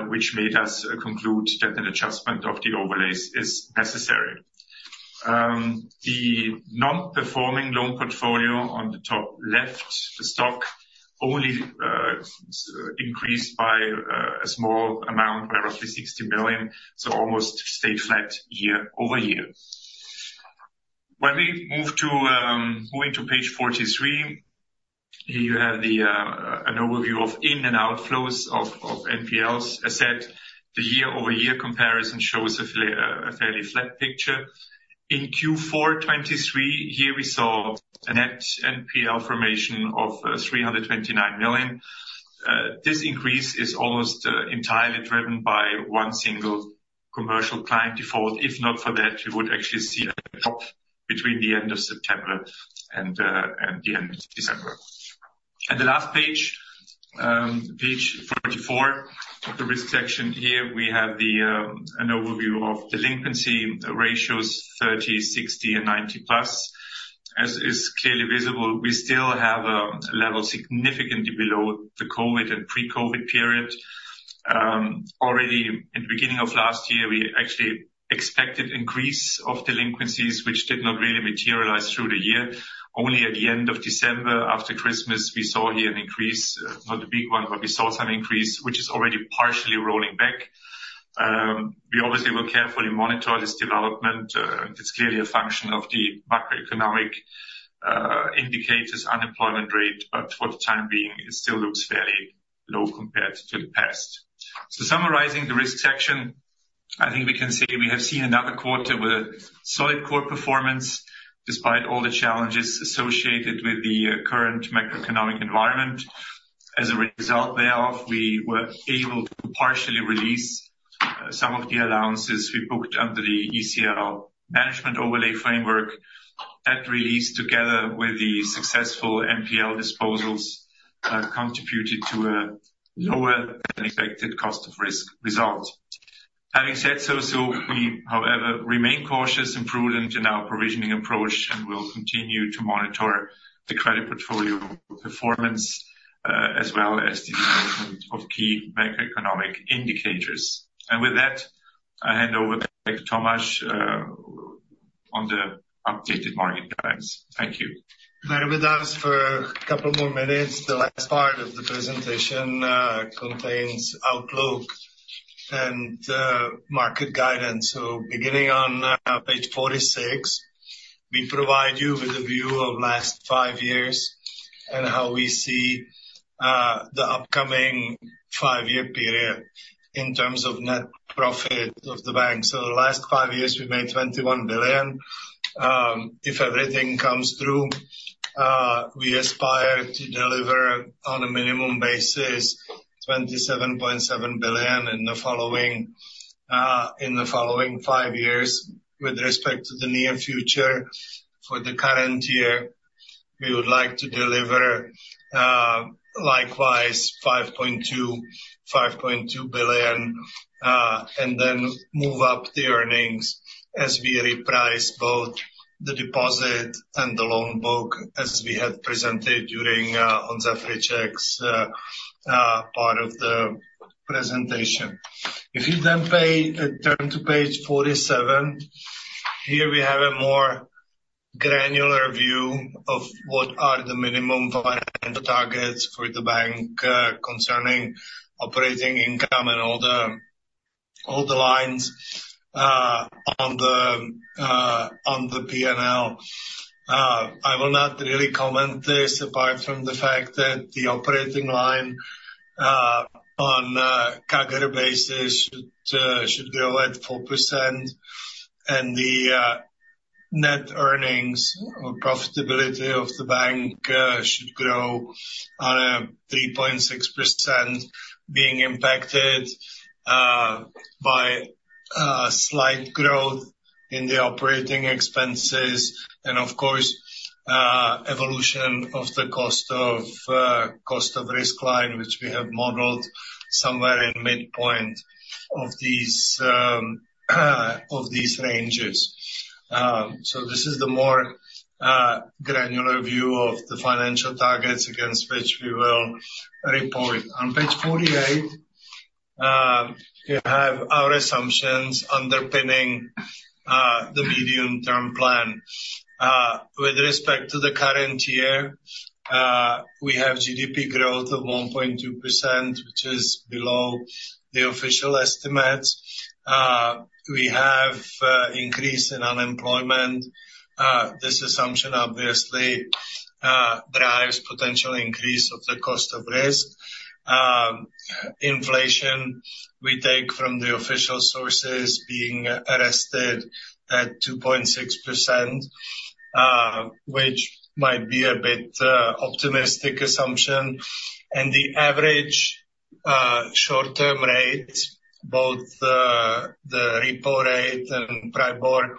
which made us conclude that an adjustment of the overlays is necessary. The non-performing loan portfolio on the top left, the stock only, increased by a small amount, roughly 60 million, so almost stayed flat year-over-year. When we move to going to page 43, here you have an overview of inflows and outflows of NPLs. As said, the year-over-year comparison shows a fairly flat picture. In Q4 2023, here we saw a net NPL formation of 329 million. This increase is almost entirely driven by one single commercial client default. If not for that, we would actually see a drop between the end of September and the end of December. The last page, page 44, of the risk section here, we have an overview of delinquency ratios 30, 60, and 90+. As is clearly visible, we still have a level significantly below the COVID and pre-COVID period. Already in the beginning of last year, we actually expected increase of delinquencies, which did not really materialize through the year. Only at the end of December, after Christmas, we saw here an increase, not a big one, but we saw some increase, which is already partially rolling back. We obviously will carefully monitor this development. It's clearly a function of the macroeconomic indicators, unemployment rate, but for the time being, it still looks fairly low compared to the past. So summarizing the risk section, I think we can say we have seen another quarter with a solid core performance, despite all the challenges associated with the current macroeconomic environment. As a result thereof, we were able to partially release some of the allowances we booked under the ECL management overlay framework. That release, together with the successful NPL disposals, contributed to a lower than expected cost of risk result. Having said so, so we, however, remain cautious and prudent in our provisioning approach, and will continue to monitor the credit portfolio performance, as well as the development of key macroeconomic indicators. And with that, I hand over to Tomáš, on the updated market guidance. Thank you. Stay with us for a couple more minutes. The last part of the presentation contains outlook and market guidance. So beginning on page 46, we provide you with a view of last five years and how we see the upcoming five-year period in terms of net profit of the bank. So the last five years, we made 21 billion. If everything comes through, we aspire to deliver on a minimum basis, 27.7 billion in the following five years. With respect to the near future, for the current year, we would like to deliver likewise, 5.2 billion, and then move up the earnings as we reprice both the deposit and the loan book, as we had presented during Jan Friček's part of the presentation. If you then pay, turn to page 47, here we have a more granular view of what are the minimum financial targets for the bank, concerning operating income and all the, all the lines, on the, on the PNL. I will not really comment this, apart from the fact that the operating line, on a CAGR basis, should grow at 4%, and the, net earnings or profitability of the bank, should grow on a 3.6%, being impacted by slight growth in the operating expenses, and of course, evolution of the cost of risk line, which we have modeled somewhere in midpoint of these ranges. So this is the more granular view of the financial targets against which we will report. On page 48, we have our assumptions underpinning the medium-term plan. With respect to the current year, we have GDP growth of 1.2%, which is below the official estimates. We have increase in unemployment. This assumption obviously drives potential increase of the cost of risk. Inflation, we take from the official sources being arrested at 2.6%, which might be a bit optimistic assumption. The average short-term rate, both the repo rate and PRIBOR,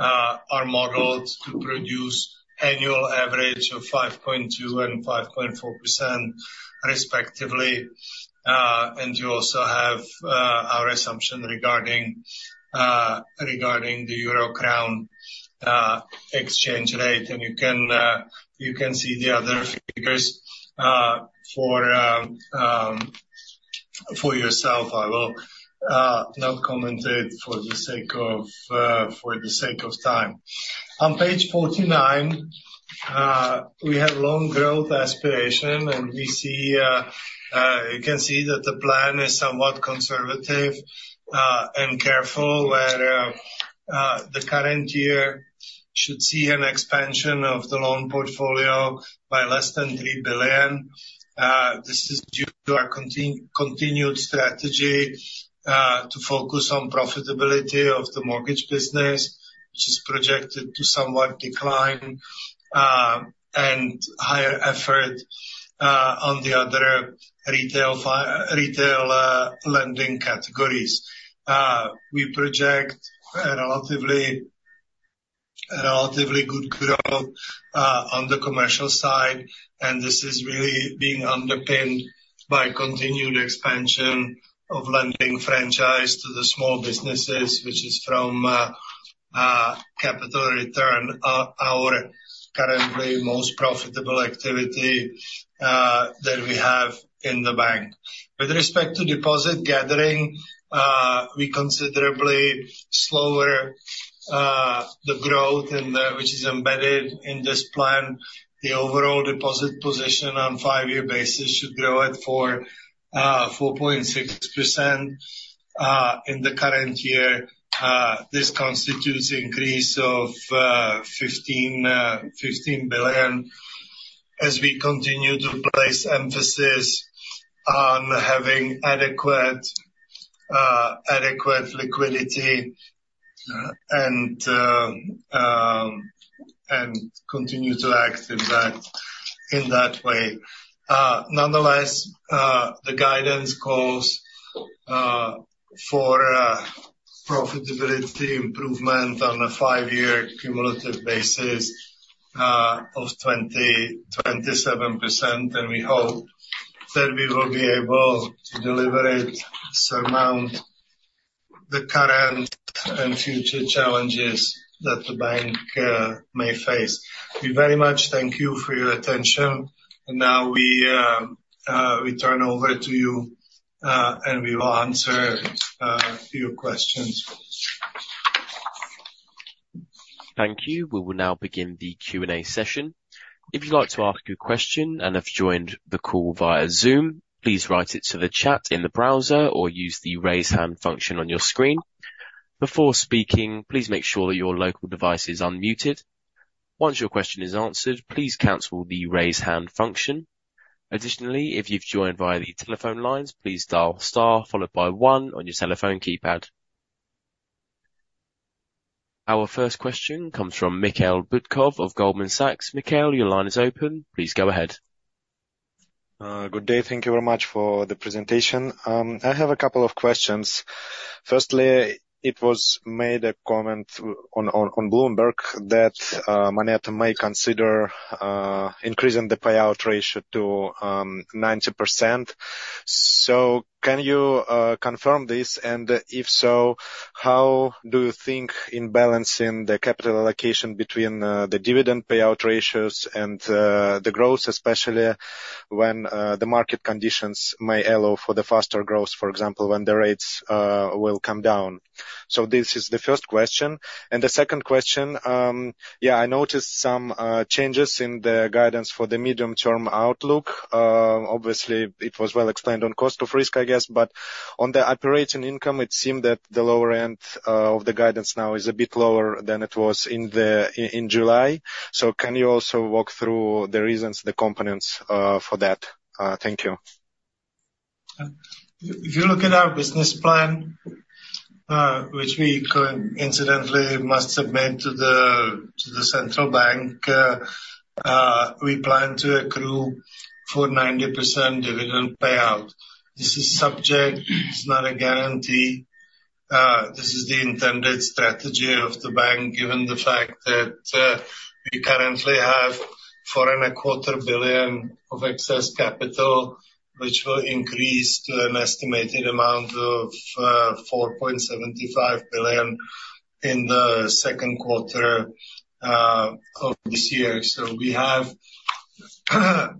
are modeled to produce annual average of 5.2% and 5.4% respectively. You also have our assumption regarding the euro crown exchange rate, and you can see the other figures for yourself. I will not comment it for the sake of time. On page 49, we have loan growth aspiration, and you can see that the plan is somewhat conservative and careful, where the current year should see an expansion of the loan portfolio by less than 3 billion. This is due to our continued strategy to focus on profitability of the mortgage business, which is projected to somewhat decline, and higher effort on the other retail lending categories. We project a relatively good growth on the commercial side, and this is really being underpinned by continued expansion of lending franchise to the small businesses, which is from capital return our currently most profitable activity that we have in the bank. With respect to deposit gathering, we considerably slower the growth, which is embedded in this plan. The overall deposit position on 5-year basis should grow at 4.6% in the current year. This constitutes increase of 15 billion, as we continue to place emphasis on having adequate liquidity and continue to act in that way. Nonetheless, the guidance calls for profitability improvement on a 5-year cumulative basis of 27%, and we hope that we will be able to deliver it, surmount the current and future challenges that the bank may face. We very much thank you for your attention, and now we turn over to you and we will answer your questions. Thank you. We will now begin the Q&A session. If you'd like to ask a question and have joined the call via Zoom, please write it to the chat in the browser or use the raise hand function on your screen. Before speaking, please make sure that your local device is unmuted. Once your question is answered, please cancel the raise hand function. Additionally, if you've joined via the telephone lines, please dial star followed by one on your telephone keypad. Our first question comes from Mikhail Butkov of Goldman Sachs. Mikhail, your line is open. Please go ahead. Good day. Thank you very much for the presentation. I have a couple of questions. Firstly, it was made a comment on Bloomberg that, MONETA may consider increasing the payout ratio to 90%. So can you confirm this? And if so, how do you think in balancing the capital allocation between the dividend payout ratios and the growth, especially when the market conditions may allow for the faster growth, for example, when the rates will come down? So this is the first question. And the second question, yeah, I noticed some changes in the guidance for the medium-term outlook. Obviously, it was well explained on cost of risk, I guess, but on the operating income, it seemed that the lower end of the guidance now is a bit lower than it was in July. So can you also walk through the reasons, the components for that? Thank you.... If you look at our business plan, which we coincidentally must submit to the central bank, we plan to accrue for 90% dividend payout. This is subject, it's not a guarantee. This is the intended strategy of the bank, given the fact that, we currently have 4.25 billion of excess capital, which will increase to an estimated amount of, four point seventy-five billion in the second quarter, of this year. So we have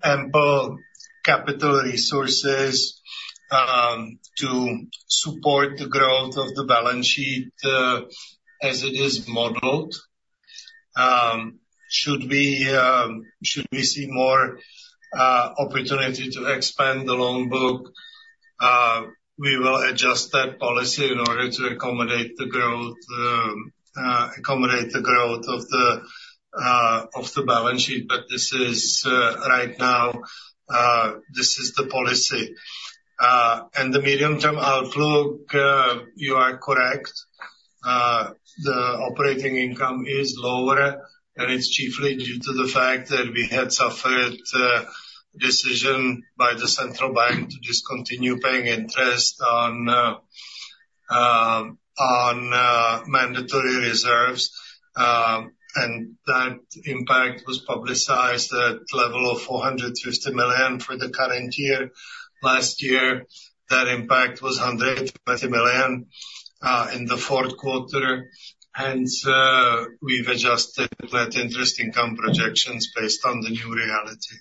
ample capital resources, to support the growth of the balance sheet, as it is modeled. Should we, should we see more, opportunity to expand the loan book, we will adjust that policy in order to accommodate the growth, accommodate the growth of the, of the balance sheet. But this is, right now, this is the policy. The medium-term outlook, you are correct. The operating income is lower, and it's chiefly due to the fact that we had suffered decision by the central bank to discontinue paying interest on mandatory reserves. And that impact was publicized at level of 450 million for the current year. Last year, that impact was 120 million in the fourth quarter. And we've adjusted that interest income projections based on the new reality.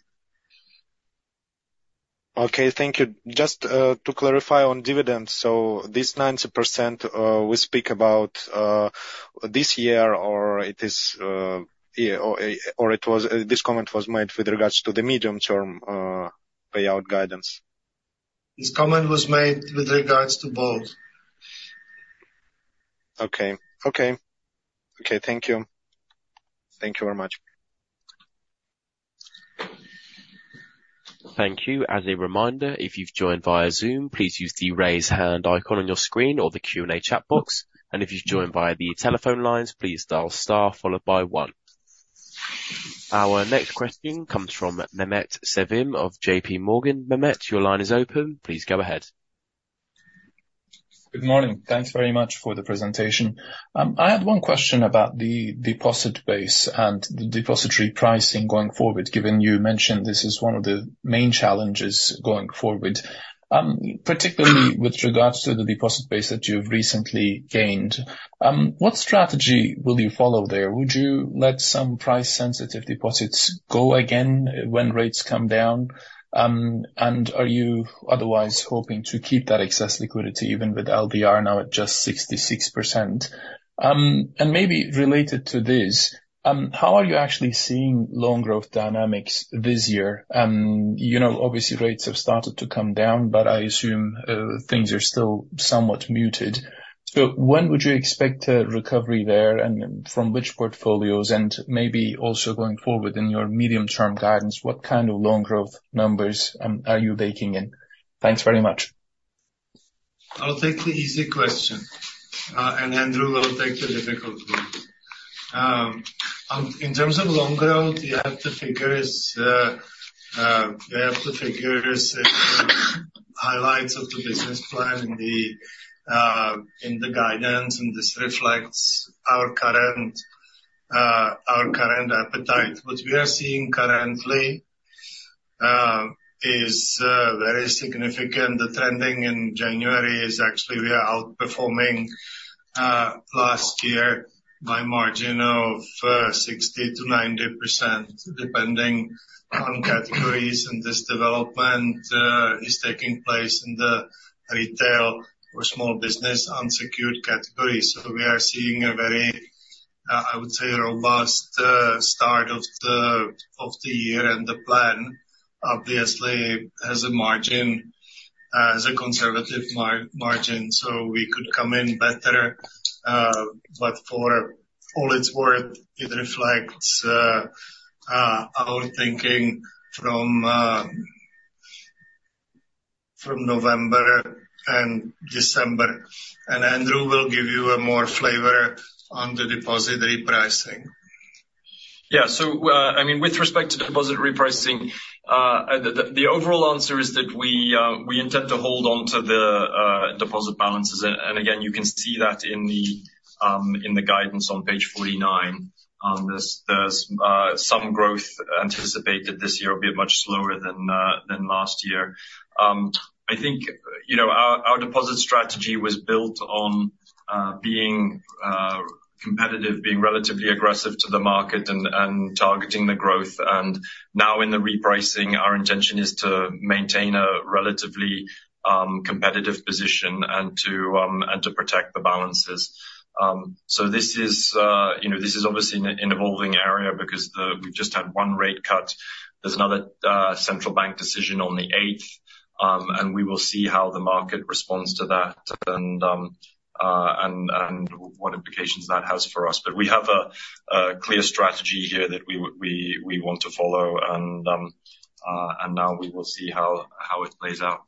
Okay, thank you. Just to clarify on dividends, so this 90% we speak about this year, or it is, or this comment was made with regards to the medium-term payout guidance? This comment was made with regards to both. Okay. Okay. Okay, thank you. Thank you very much. Thank you. As a reminder, if you've joined via Zoom, please use the Raise Hand icon on your screen or the Q&A chat box, and if you've joined via the telephone lines, please dial star followed by one. Our next question comes from Mehmet Sevim of JP Morgan. Mehmet, your line is open. Please go ahead. Good morning. Thanks very much for the presentation. I had one question about the deposit base and the depository pricing going forward, given you mentioned this is one of the main challenges going forward. Particularly with regards to the deposit base that you've recently gained, what strategy will you follow there? Would you let some price-sensitive deposits go again when rates come down? And are you otherwise hoping to keep that excess liquidity, even with LDR now at just 66%? And maybe related to this, how are you actually seeing loan growth dynamics this year? You know, obviously, rates have started to come down, but I assume, things are still somewhat muted. So when would you expect a recovery there, and from which portfolios? Maybe also going forward in your medium-term guidance, what kind of loan growth numbers are you baking in? Thanks very much. I'll take the easy question, and Andrew will take the difficult one. In terms of loan growth, you have the figures, we have the figures highlights of the business plan in the, in the guidance, and this reflects our current, our current appetite. What we are seeing currently, is very significant. The trending in January is actually we are outperforming, last year by margin of, 60%-90%, depending on categories, and this development, is taking place in the retail or small business unsecured categories. So we are seeing a very, I would say, a robust, start of the year, and the plan obviously has a margin, as a conservative margin, so we could come in better. But for all it's worth, it reflects our thinking from November and December. And Andrew will give you a more flavor on the deposit repricing. Yeah. So, I mean, with respect to deposit repricing, the overall answer is that we intend to hold on to the deposit balances. Again, you can see that in the guidance on page 49. There's some growth anticipated this year will be much slower than last year. I think, you know, our deposit strategy was built on being competitive, being relatively aggressive to the market and targeting the growth. Now in the repricing, our intention is to maintain a relatively competitive position and to protect the balances. So this is, you know, this is obviously an evolving area because the... We've just had one rate cut. There's another central bank decision on the eighth, and we will see how the market responds to that and what implications that has for us. But we have a clear strategy here that we want to follow, and now we will see how it plays out....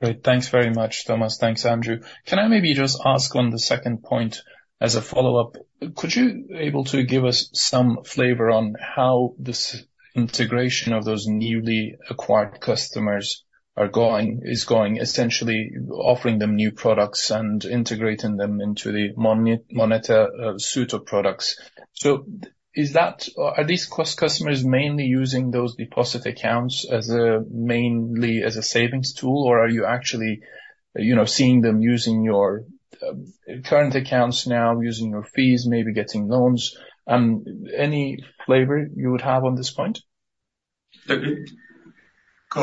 Great, thanks very much, Thomas. Thanks, Andrew. Can I maybe just ask on the second point as a follow-up, could you able to give us some flavor on how this integration of those newly acquired customers are going, is going, essentially offering them new products and integrating them into the MONETA suite of products? So is that, are these acquired customers mainly using those deposit accounts as a, mainly as a savings tool, or are you actually, you know, seeing them using your current accounts now, using your fees, maybe getting loans? Any flavor you would have on this point? Go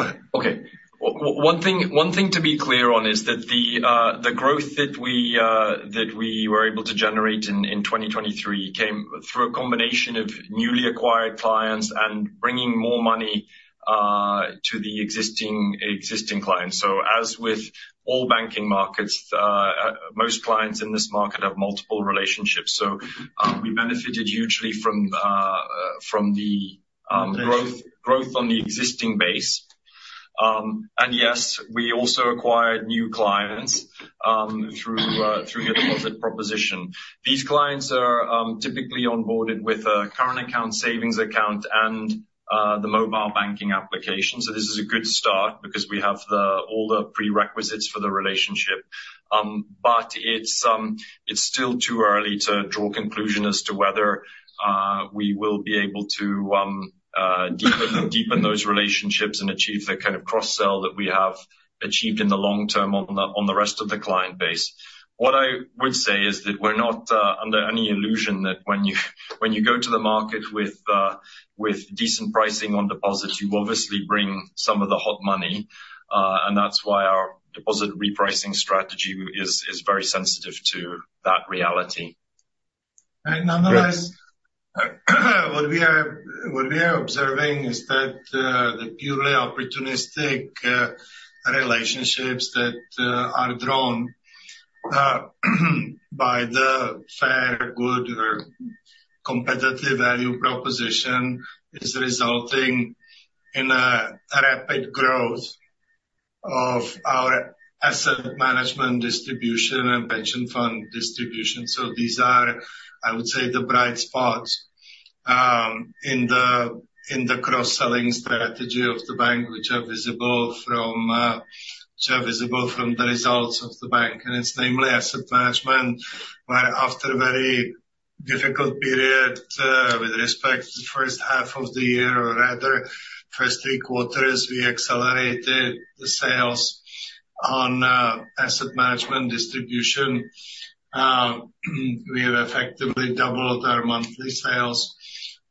ahead. Okay. One thing to be clear on is that the growth that we were able to generate in 2023 came through a combination of newly acquired clients and bringing more money to the existing clients. So as with all banking markets, most clients in this market have multiple relationships. So, we benefited hugely from the growth on the existing base. And yes, we also acquired new clients through a deposit proposition. These clients are typically onboarded with a current account, savings account, and the mobile banking application. So this is a good start because we have all the prerequisites for the relationship. But it's still too early to draw conclusion as to whether we will be able to deepen those relationships and achieve the kind of cross-sell that we have achieved in the long term on the rest of the client base. What I would say is that we're not under any illusion that when you go to the market with decent pricing on deposits, you obviously bring some of the hot money, and that's why our deposit repricing strategy is very sensitive to that reality. Right. Nonetheless, what we are, what we are observing is that, the purely opportunistic, relationships that, are drawn, by the fair, good, or competitive value proposition is resulting in a rapid growth of our asset management distribution and pension fund distribution. So these are, I would say, the bright spots, in the, in the cross-selling strategy of the bank, which are visible from, which are visible from the results of the bank. And it's namely asset management, where after a very difficult period, with respect to the first half of the year, or rather first three quarters, we accelerated the sales on, asset management distribution. We have effectively doubled our monthly sales,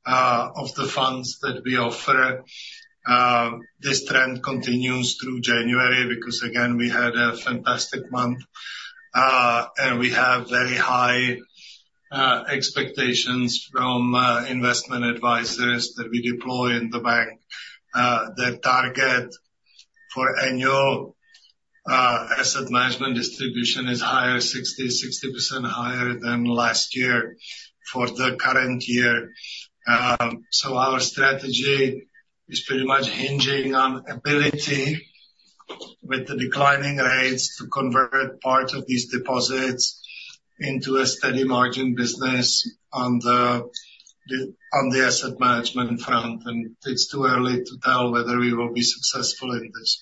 of the funds that we offer. This trend continues through January, because, again, we had a fantastic month, and we have very high expectations from investment advisors that we deploy in the bank. The target for annual asset management distribution is higher 60, 60% higher than last year for the current year. So our strategy is pretty much hinging on ability with the declining rates to convert part of these deposits into a steady margin business on the, the, on the asset management front, and it's too early to tell whether we will be successful in this.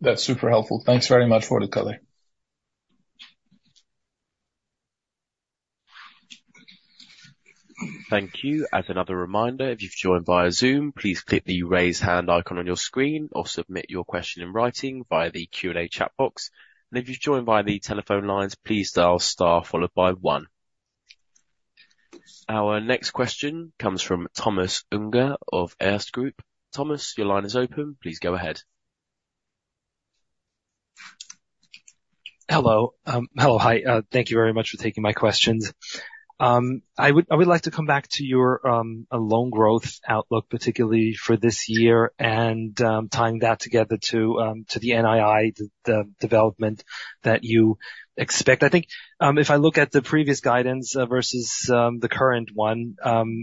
That's super helpful. Thanks very much for the color. Thank you. As another reminder, if you've joined via Zoom, please click the Raise Hand icon on your screen or submit your question in writing via the Q&A chat box. If you've joined via the telephone lines, please dial star followed by one. Our next question comes from Thomas Unger of Erste Group. Thomas, your line is open. Please go ahead. Hello. Hello, hi. Thank you very much for taking my questions. I would like to come back to your loan growth outlook, particularly for this year, and tying that together to the NII, the development that you expect. I think, if I look at the previous guidance versus the current one,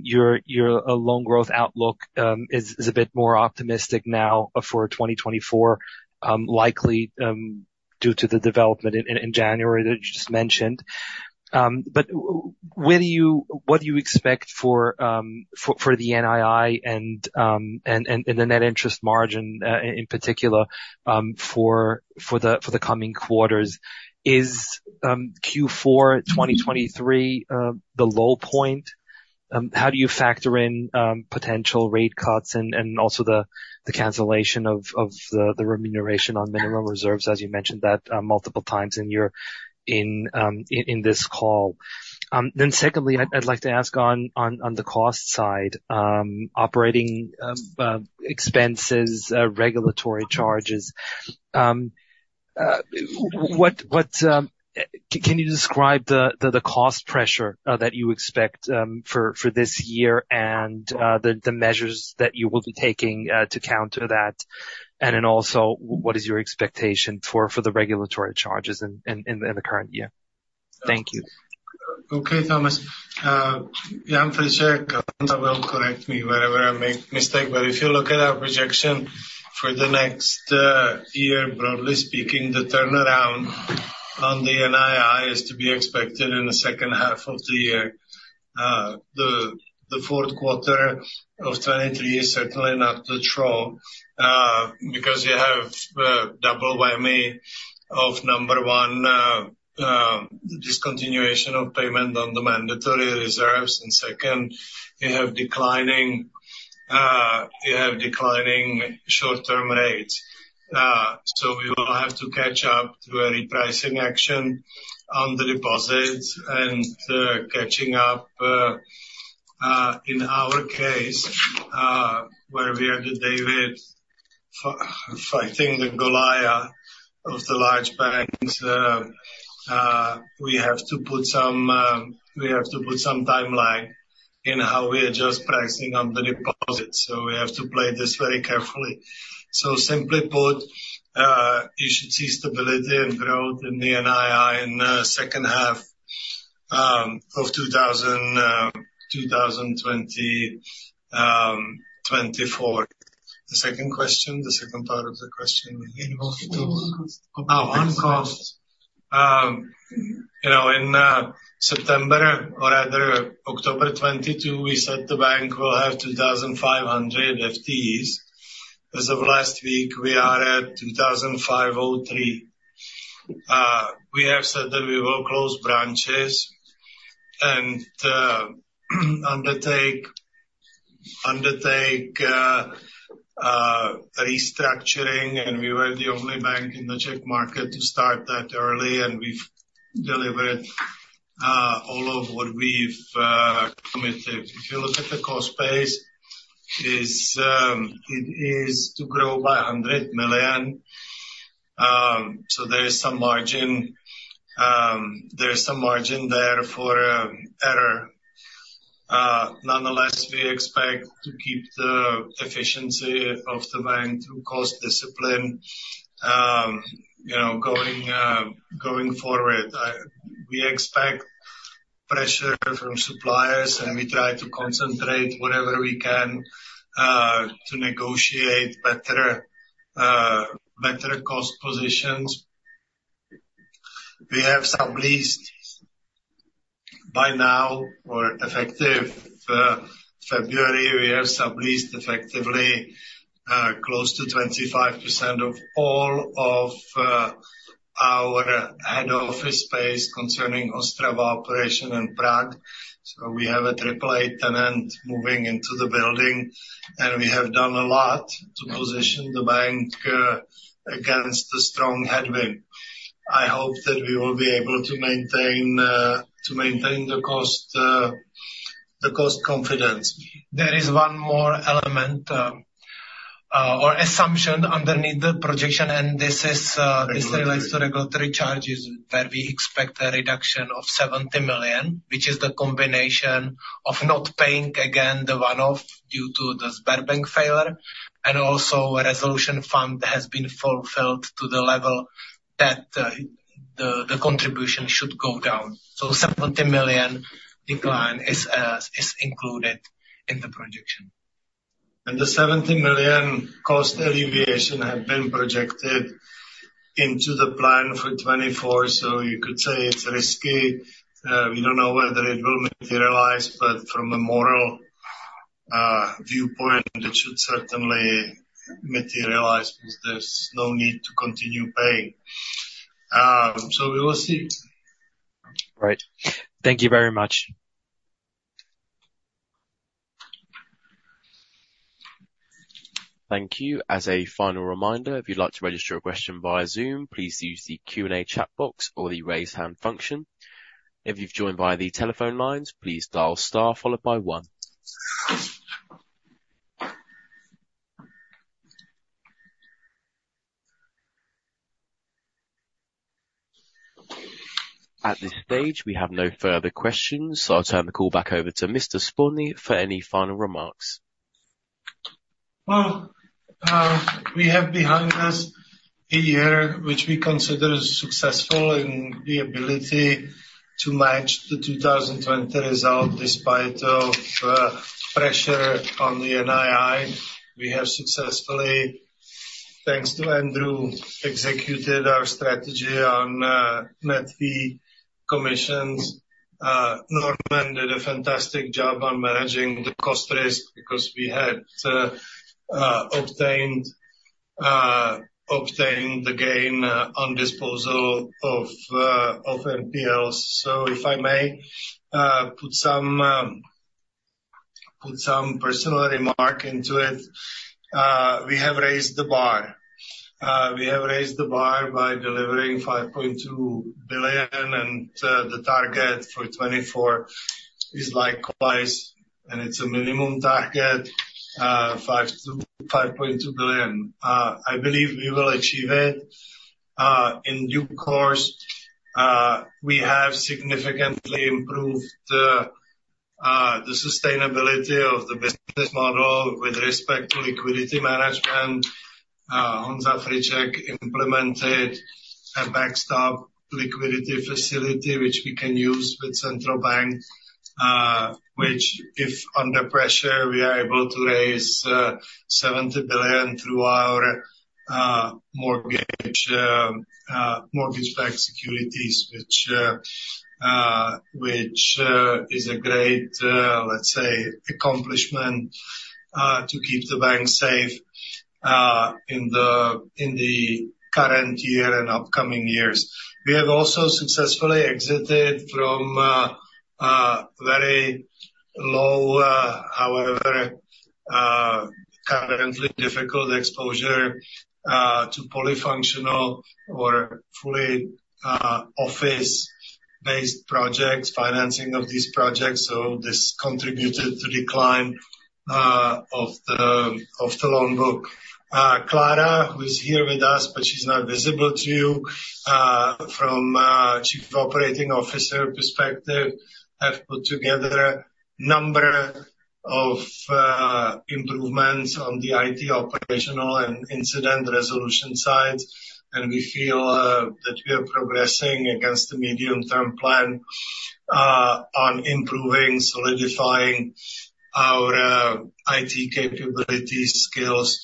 your loan growth outlook is a bit more optimistic now for 2024, likely due to the development in January that you just mentioned. But where do you, what do you expect for the NII and the net interest margin, in particular, for the coming quarters? Is Q4 2023 the low point? How do you factor in potential rate cuts and also the cancellation of the remuneration on minimum reserves, as you mentioned that multiple times in your call? Then secondly, I'd like to ask on the cost side, operating expenses, regulatory charges. Can you describe the cost pressure that you expect for this year and the measures that you will be taking to counter that? And then also, what is your expectation for the regulatory charges in the current year?... Thank you. Okay, Thomas. Yeah, I'm pretty sure Honza will correct me wherever I make mistake, but if you look at our projection for the next year, broadly speaking, the turnaround on the NII is to be expected in the second half of the year. The fourth quarter of 2023 is certainly not the trough, because you have double whammy of number one, discontinuation of payment on the mandatory reserves, and second, you have declining short-term rates. So we will have to catch up through a repricing action on the deposits and catching up in our case, where we are the David fighting the Goliath of the large banks. We have to put some timeline in how we adjust pricing on the deposits, so we have to play this very carefully. So simply put, you should see stability and growth in the NII in the second half of 2024. The second question? The second part of the question involved to? On cost. Oh, on cost. You know, in September or rather October 2022, we said the bank will have 2,500 FTEs. As of last week, we are at 2,503. We have said that we will close branches and undertake restructuring, and we were the only bank in the Czech market to start that early, and we've delivered all of what we've committed. If you look at the cost base, it is to grow by 100 million, so there is some margin, there is some margin there for error. Nonetheless, we expect to keep the efficiency of the bank through cost discipline, you know, going forward. We expect pressure from suppliers, and we try to concentrate whatever we can to negotiate better cost positions. We have subleased by now or effective February, we have subleased effectively close to 25% of all of our head office space concerning Ostrava operation in Prague. So we have a triple A tenant moving into the building, and we have done a lot to position the bank against the strong headwind. I hope that we will be able to maintain to maintain the cost the cost confidence. There is one more element, or assumption underneath the projection, and this is, this relates to regulatory charges, where we expect a reduction of 70 million, which is the combination of not paying again, the one-off due to the Sberbank failure, and also a Resolution Fund has been fulfilled to the level that, the contribution should go down. So 70 million decline is included in the projection. The 70 million cost alleviation has been projected into the plan for 2024, so you could say it's risky. We don't know whether it will materialize, but from a moral viewpoint, it should certainly materialize because there's no need to continue paying. So we will see. Right. Thank you very much. Thank you. As a final reminder, if you'd like to register a question via Zoom, please use the Q&A chat box or the raise hand function. If you've joined via the telephone lines, please dial star followed by one. At this stage, we have no further questions, so I'll turn the call back over to Mr. Spurný for any final remarks. Well, we have behind us a year which we consider successful in the ability to match the 2020 result, despite of pressure on the NII. We have successfully, thanks to Andrew, executed our strategy on net fee commissions. Normann did a fantastic job on managing the cost of risk because we had obtained the gain on disposal of NPLs. So if I may put some personal remark into it, we have raised the bar. We have raised the bar by delivering 5.2 billion, and the target for 2024 is, like, twice, and it's a minimum target, 5 billion-5.2 billion. I believe we will achieve it. In due course, we have significantly improved the-... The sustainability of the business model with respect to liquidity management, on that Friček implemented a backstop liquidity facility, which we can use with central bank, which if under pressure, we are able to raise 70 billion through our mortgage-backed securities, which is a great, let's say, accomplishment to keep the bank safe in the current year and upcoming years. We have also successfully exited from very low, however, currently difficult exposure to polyfunctional or fully office-based projects, financing of these projects. So this contributed to decline of the loan book. Klára, who is here with us, but she's not visible to you, from Chief Operating Officer perspective, have put together a number of improvements on the IT operational and incident resolution side, and we feel that we are progressing against the medium-term plan on improving, solidifying our IT capability skills,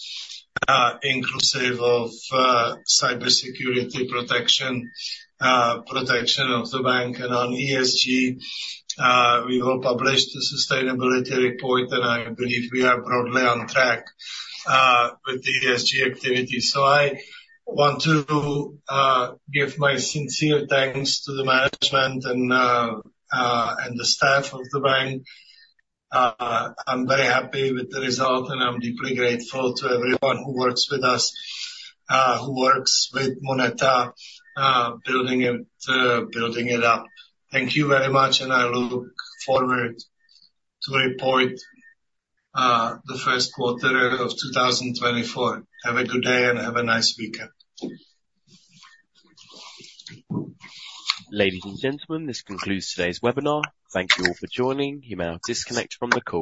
inclusive of cybersecurity protection, protection of the bank. And on ESG, we will publish the sustainability report, and I believe we are broadly on track with the ESG activity. So I want to give my sincere thanks to the management and the staff of the bank. I'm very happy with the result, and I'm deeply grateful to everyone who works with us, who works with MONETA, building it, building it up. Thank you very much, and I look forward to report the first quarter of 2024. Have a good day, and have a nice weekend. Ladies and gentlemen, this concludes today's webinar. Thank you all for joining. You may now disconnect from the call.